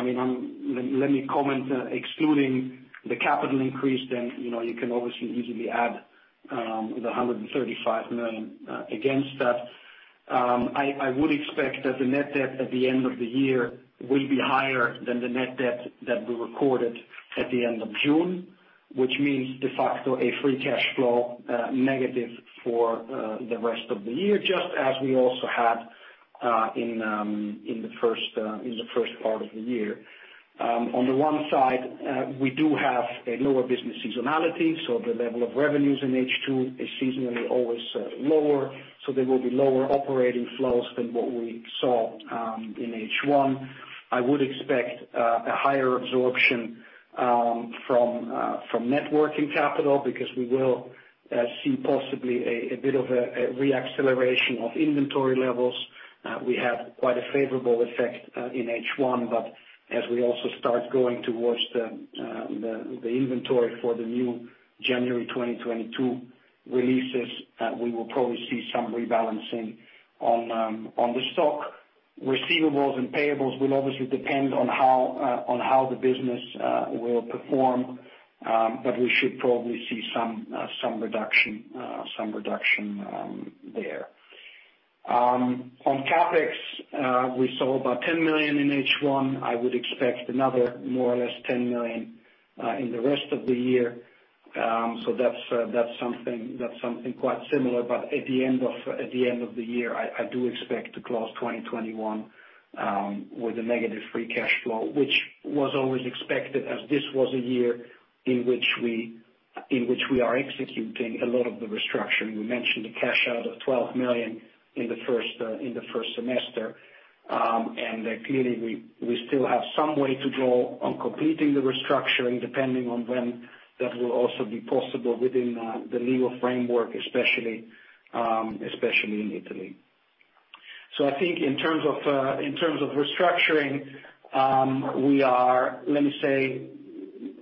let me comment, excluding the capital increase, you can obviously easily add the 135 million against that. I would expect that the net debt at the end of the year will be higher than the net debt that we recorded at the end of June, which means de facto, a free cash flow negative for the rest of the year, just as we also had in the first part of the year. On the one side, we do have a lower business seasonality, so the level of revenues in H2 is seasonally always lower, so there will be lower operating flows than what we saw in H1. I would expect a higher absorption from net working capital, because we will see possibly a bit of a re-acceleration of inventory levels. We had quite a favorable effect in H1, but as we also start going towards the inventory for the new January 2022 releases, we will probably see some rebalancing on the stock. Receivables and payables will obviously depend on how the business will perform, but we should probably see some reduction there. On CapEx, we saw about 10 million in H1. I would expect another more or less 10 million in the rest of the year. That's something quite similar. At the end of the year, I do expect to close 2021 with a negative free cash flow, which was always expected as this was a year in which we are executing a lot of the restructuring. We mentioned the cash out of 12 million in the first semester. Clearly, we still have some way to go on completing the restructuring, depending on when that will also be possible within the legal framework, especially in Italy. I think in terms of restructuring, we are, let me say,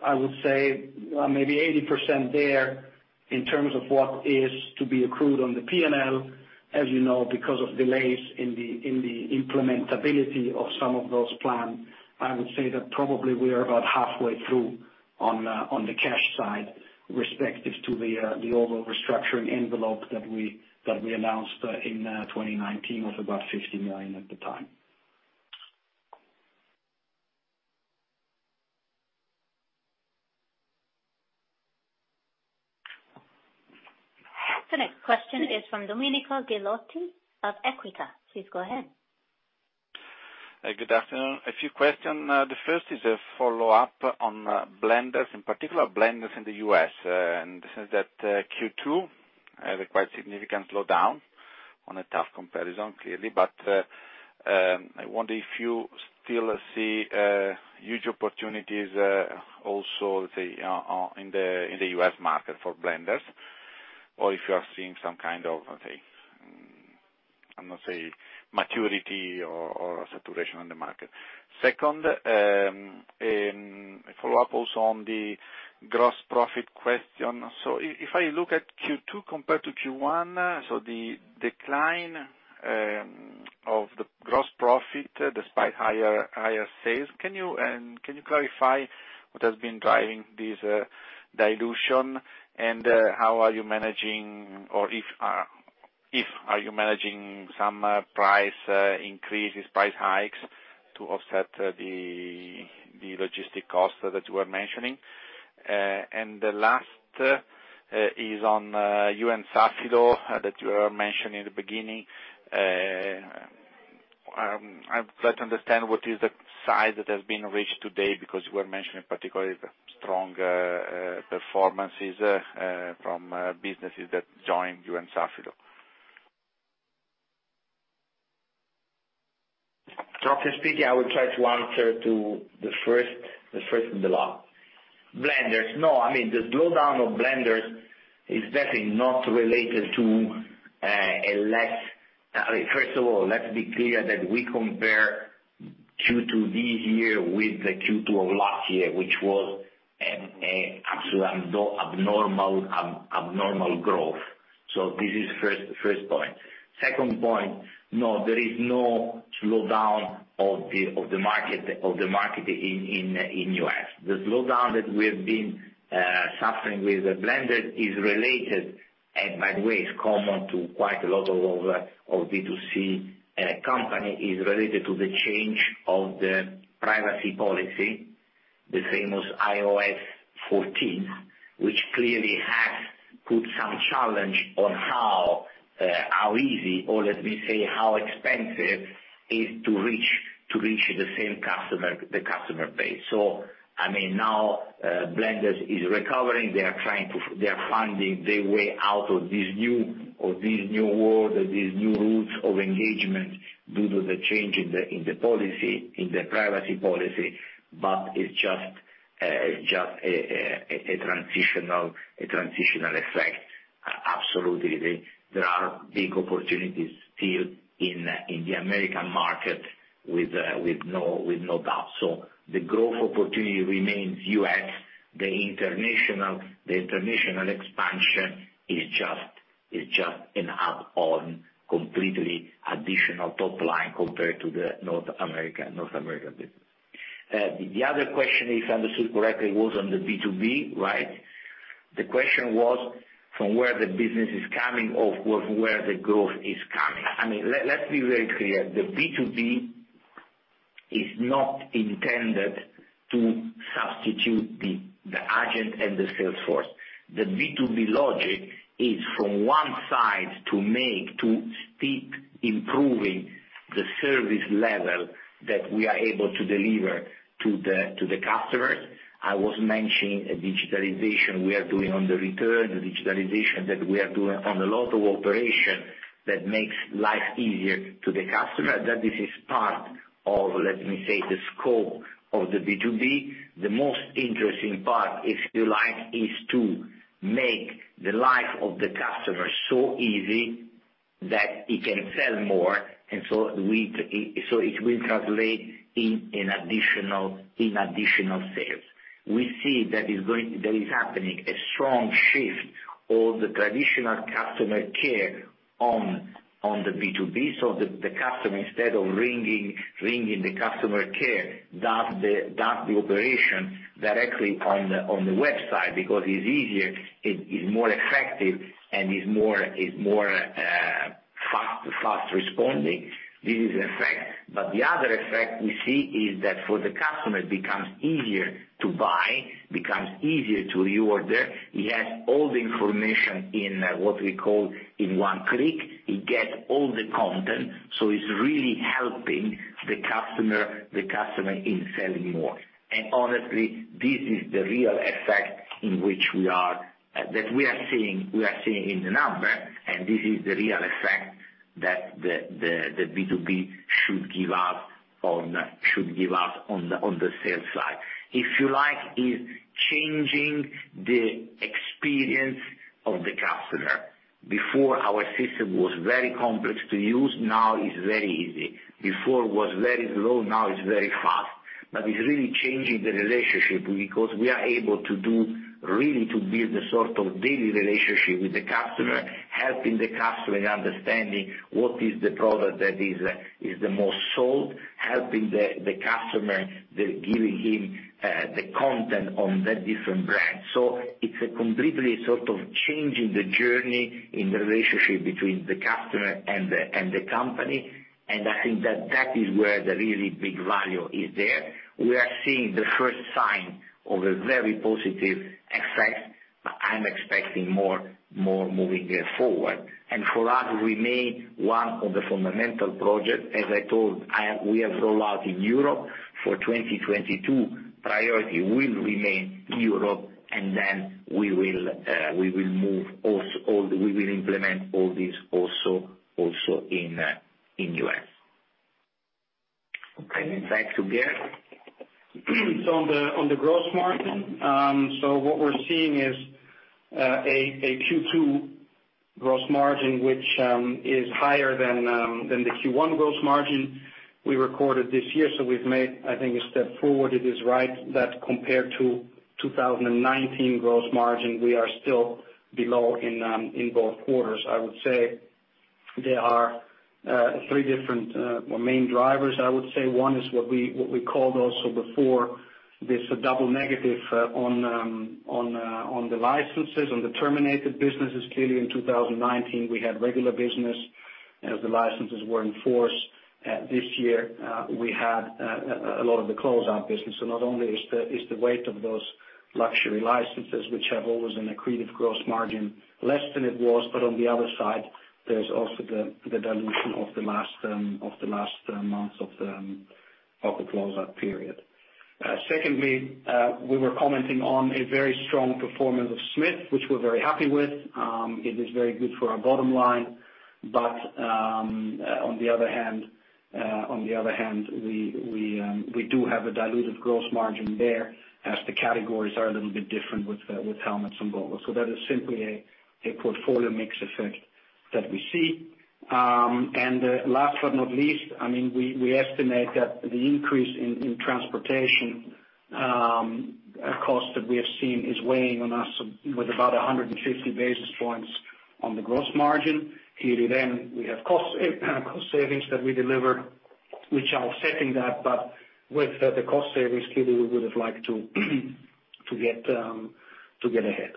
I would say maybe 80% there in terms of what is to be accrued on the P&L. As you know, because of delays in the implementability of some of those plans, I would say that probably we are about halfway through on the cash side respective to the overall restructuring envelope that we announced in 2019 of about 50 million at the time. The next question is from Domenico Ghilotti of Equita. Please go ahead. Good afternoon. A few questions. The first is a follow-up on Blenders, in particular Blenders in the U.S., and since that Q2 had a quite significant slowdown on a tough comparison, clearly. I wonder if you still see huge opportunities also in the U.S. market for Blenders, or if you are seeing some kind of, I'm going to say, maturity or saturation in the market. Second, a follow-up also on the gross profit question. If I look at Q2 compared to Q1, so the decline of the gross profit despite higher sales, can you clarify what has been driving this dilution and how are you managing or if are you managing some price increases, price hikes to offset the logistics costs that you were mentioning? The last is on You&Safilo that you were mentioning in the beginning. I would like to understand what is the size that has been reached today, because you were mentioning particularly the strong performances from businesses that joined You&Safilo. [Dr. Spigai], I will try to answer to the first of the lot. Blenders. The slowdown of Blenders is definitely not related to. First of all, let's be clear that we compare Q2 this year with the Q2 of last year, which was an absolute abnormal growth. This is first point. Second point, no, there is no slowdown of the market in the U.S. The slowdown that we have been suffering with the Blenders is related, and by the way, it's common to quite a lot of B2C company, is related to the change of the privacy policy, the famous iOS 14, which clearly has put some challenge on how easy, or let me say, how expensive is to reach the same customer, the customer base. Now Blenders is recovering. They are finding their way out of this new world, this new rules of engagement due to the change in the policy, in the privacy policy. It's just a transitional effect. Absolutely, there are big opportunities still in the American market with no doubt. The growth opportunity remains U.S., the international expansion is just an add-on, completely additional top line compared to the North America business. The other question, if I understood correctly, was on the B2B, right? The question was, from where the business is coming, or from where the growth is coming. Let's be very clear. The B2B is not intended to substitute the agent and the sales force. The B2B logic is from one side improving the service level that we are able to deliver to the customers. I was mentioning a digitalization we are doing on the return, the digitalization that we are doing on a lot of operations that makes life easier to the customer, that this is part of, let me say, the scope of the B2B. The most interesting part, if you like, is to make the life of the customer so easy that it can sell more, and so it will translate in additional sales. We see that is happening a strong shift of the traditional customer care on the B2B. The customer, instead of ringing the customer care, does the operations directly on the website because it's easier, it is more effective, and is more fast responding. This is the effect. The other effect we see is that for the customer, it becomes easier to buy, becomes easier to reorder. He has all the information in what we call in one click. He gets all the content. It's really helping the customer in selling more. Honestly, this is the real effect that we are seeing in the number, and this is the real effect that the B2B should give us on the sales side. If you like, it's changing the experience of the customer. Before, our system was very complex to use. Now, it's very easy. Before was very slow, now is very fast. It's really changing the relationship because we are able to do, really to build a sort of daily relationship with the customer, helping the customer understanding what is the product that is the most sold, helping the customer, giving him the content on the different brands. It's a completely sort of changing the journey in the relationship between the customer and the company, and I think that is where the really big value is there. We are seeing the first sign of a very positive effect. I'm expecting more moving forward. For us, remain one of the fundamental projects. As I told, we have rollout in Europe for 2022. Priority will remain Europe, and then we will implement all this also in U.S. Okay. Back to Gerd. On the gross margin, what we're seeing is a Q2 gross margin, which is higher than the Q1 gross margin we recorded this year. We've made, I think, a step forward. It is right that compared to 2019 gross margin, we are still below in both quarters. I would say there are three different, or main drivers. I would say one is what we called also before, this double negative on the licenses, on the terminated businesses. Clearly in 2019, we had regular business as the licenses were in force. This year, we had a lot of the closeout business. Not only is the weight of those luxury licenses, which have always an accretive gross margin, less than it was, but on the other side, there's also the dilution of the last months of the closeout period. Secondly, we were commenting on a very strong performance of Smith, which we're very happy with. It is very good for our bottom line. On the other hand, we do have a diluted gross margin there as the categories are a little bit different with helmets and goggles. That is simply a portfolio mix effect that we see. Last but not least, we estimate that the increase in transportation cost that we have seen is weighing on us with about 150 basis points on the gross margin. Clearly then, we have cost savings that we deliver, which are offsetting that, but with the cost savings, clearly, we would've liked to get ahead.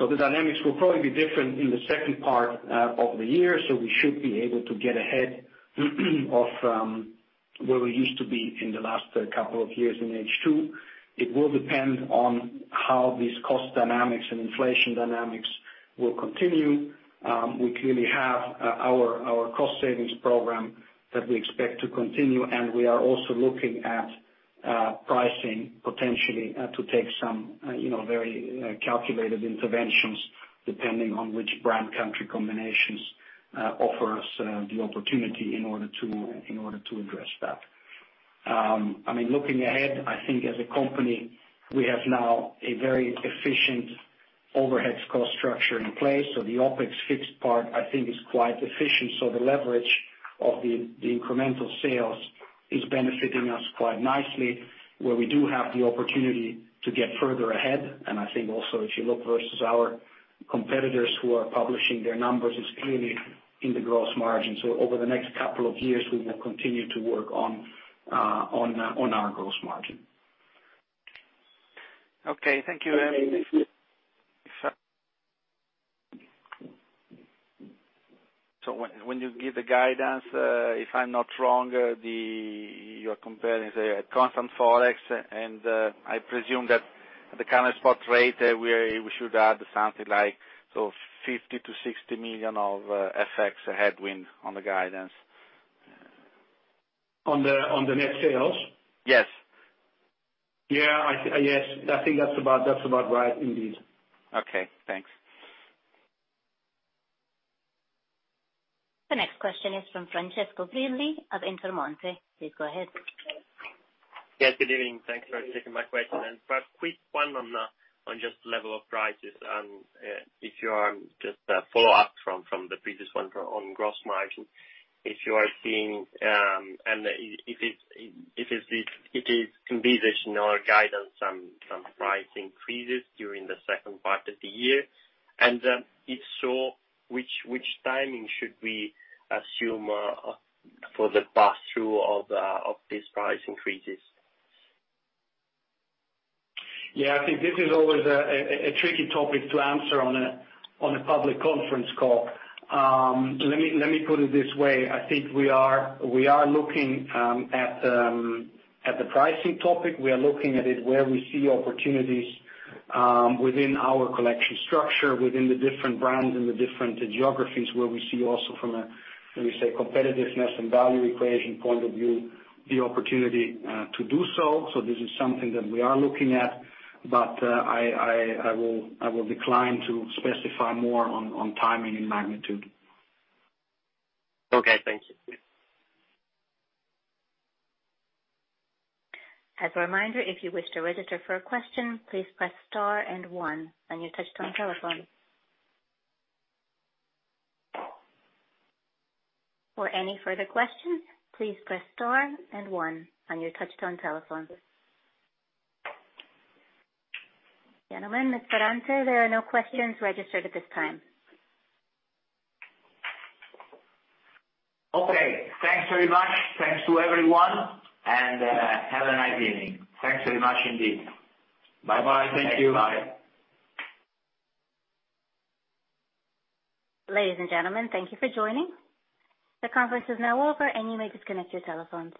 The dynamics will probably be different in the second part of the year, so we should be able to get ahead of where we used to be in the last couple of years in H2. It will depend on how these cost dynamics and inflation dynamics will continue. We clearly have our cost savings program that we expect to continue, and we are also looking at pricing potentially to take some very calculated interventions depending on which brand country combinations offer us the opportunity in order to address that. Looking ahead, I think as a company, we have now a very efficient overheads cost structure in place. The OpEx fixed part, I think is quite efficient, so the leverage of the incremental sales is benefiting us quite nicely, where we do have the opportunity to get further ahead. I think also, if you look versus our competitors who are publishing their numbers, it is clearly in the gross margin. Over the next couple of years, we will continue to work on our gross margin. Okay. Thank you. When you give the guidance, if I'm not wrong, you're comparing say, a constant forex, and I presume that the current spot rate, we should add something like 50 million-60 million of FX headwind on the guidance. On the net sales? Yes. Yeah. Yes. I think that's about right, indeed. Okay. Thanks. The next question is from Francesco Brilli of Intermonte. Please go ahead. Yes, good evening. Thanks for taking my question. And perhaps quick one on just level of prices, and if you are just a follow-up from the previous one on gross margin. If you are seeing, and if it is envisaged in our guidance some price increases during the second part of the year? If so, which timing should we assume for the pass-through of these price increases? I think this is always a tricky topic to answer on a public conference call. Let me put it this way. I think we are looking at the pricing topic. We are looking at it where we see opportunities within our collection structure, within the different brands and the different geographies where we see also from a, let me say, competitiveness and value equation point of view, the opportunity to do so. This is something that we are looking at, but I will decline to specify more on timing and magnitude. Okay, thank you. As a reminder, if you wish to register for a question, please press star and one on your touch-tone telephone. For any further questions, please press star and one on your touch-tone telephone. Gentlemen, Ms. Ferrante, there are no questions registered at this time. Okay. Thanks very much. Thanks to everyone, and have a nice evening. Thanks very much indeed. Bye-bye. Thank you. Bye. Ladies and gentlemen, thank you for joining. The conference is now over, and you may disconnect your telephones.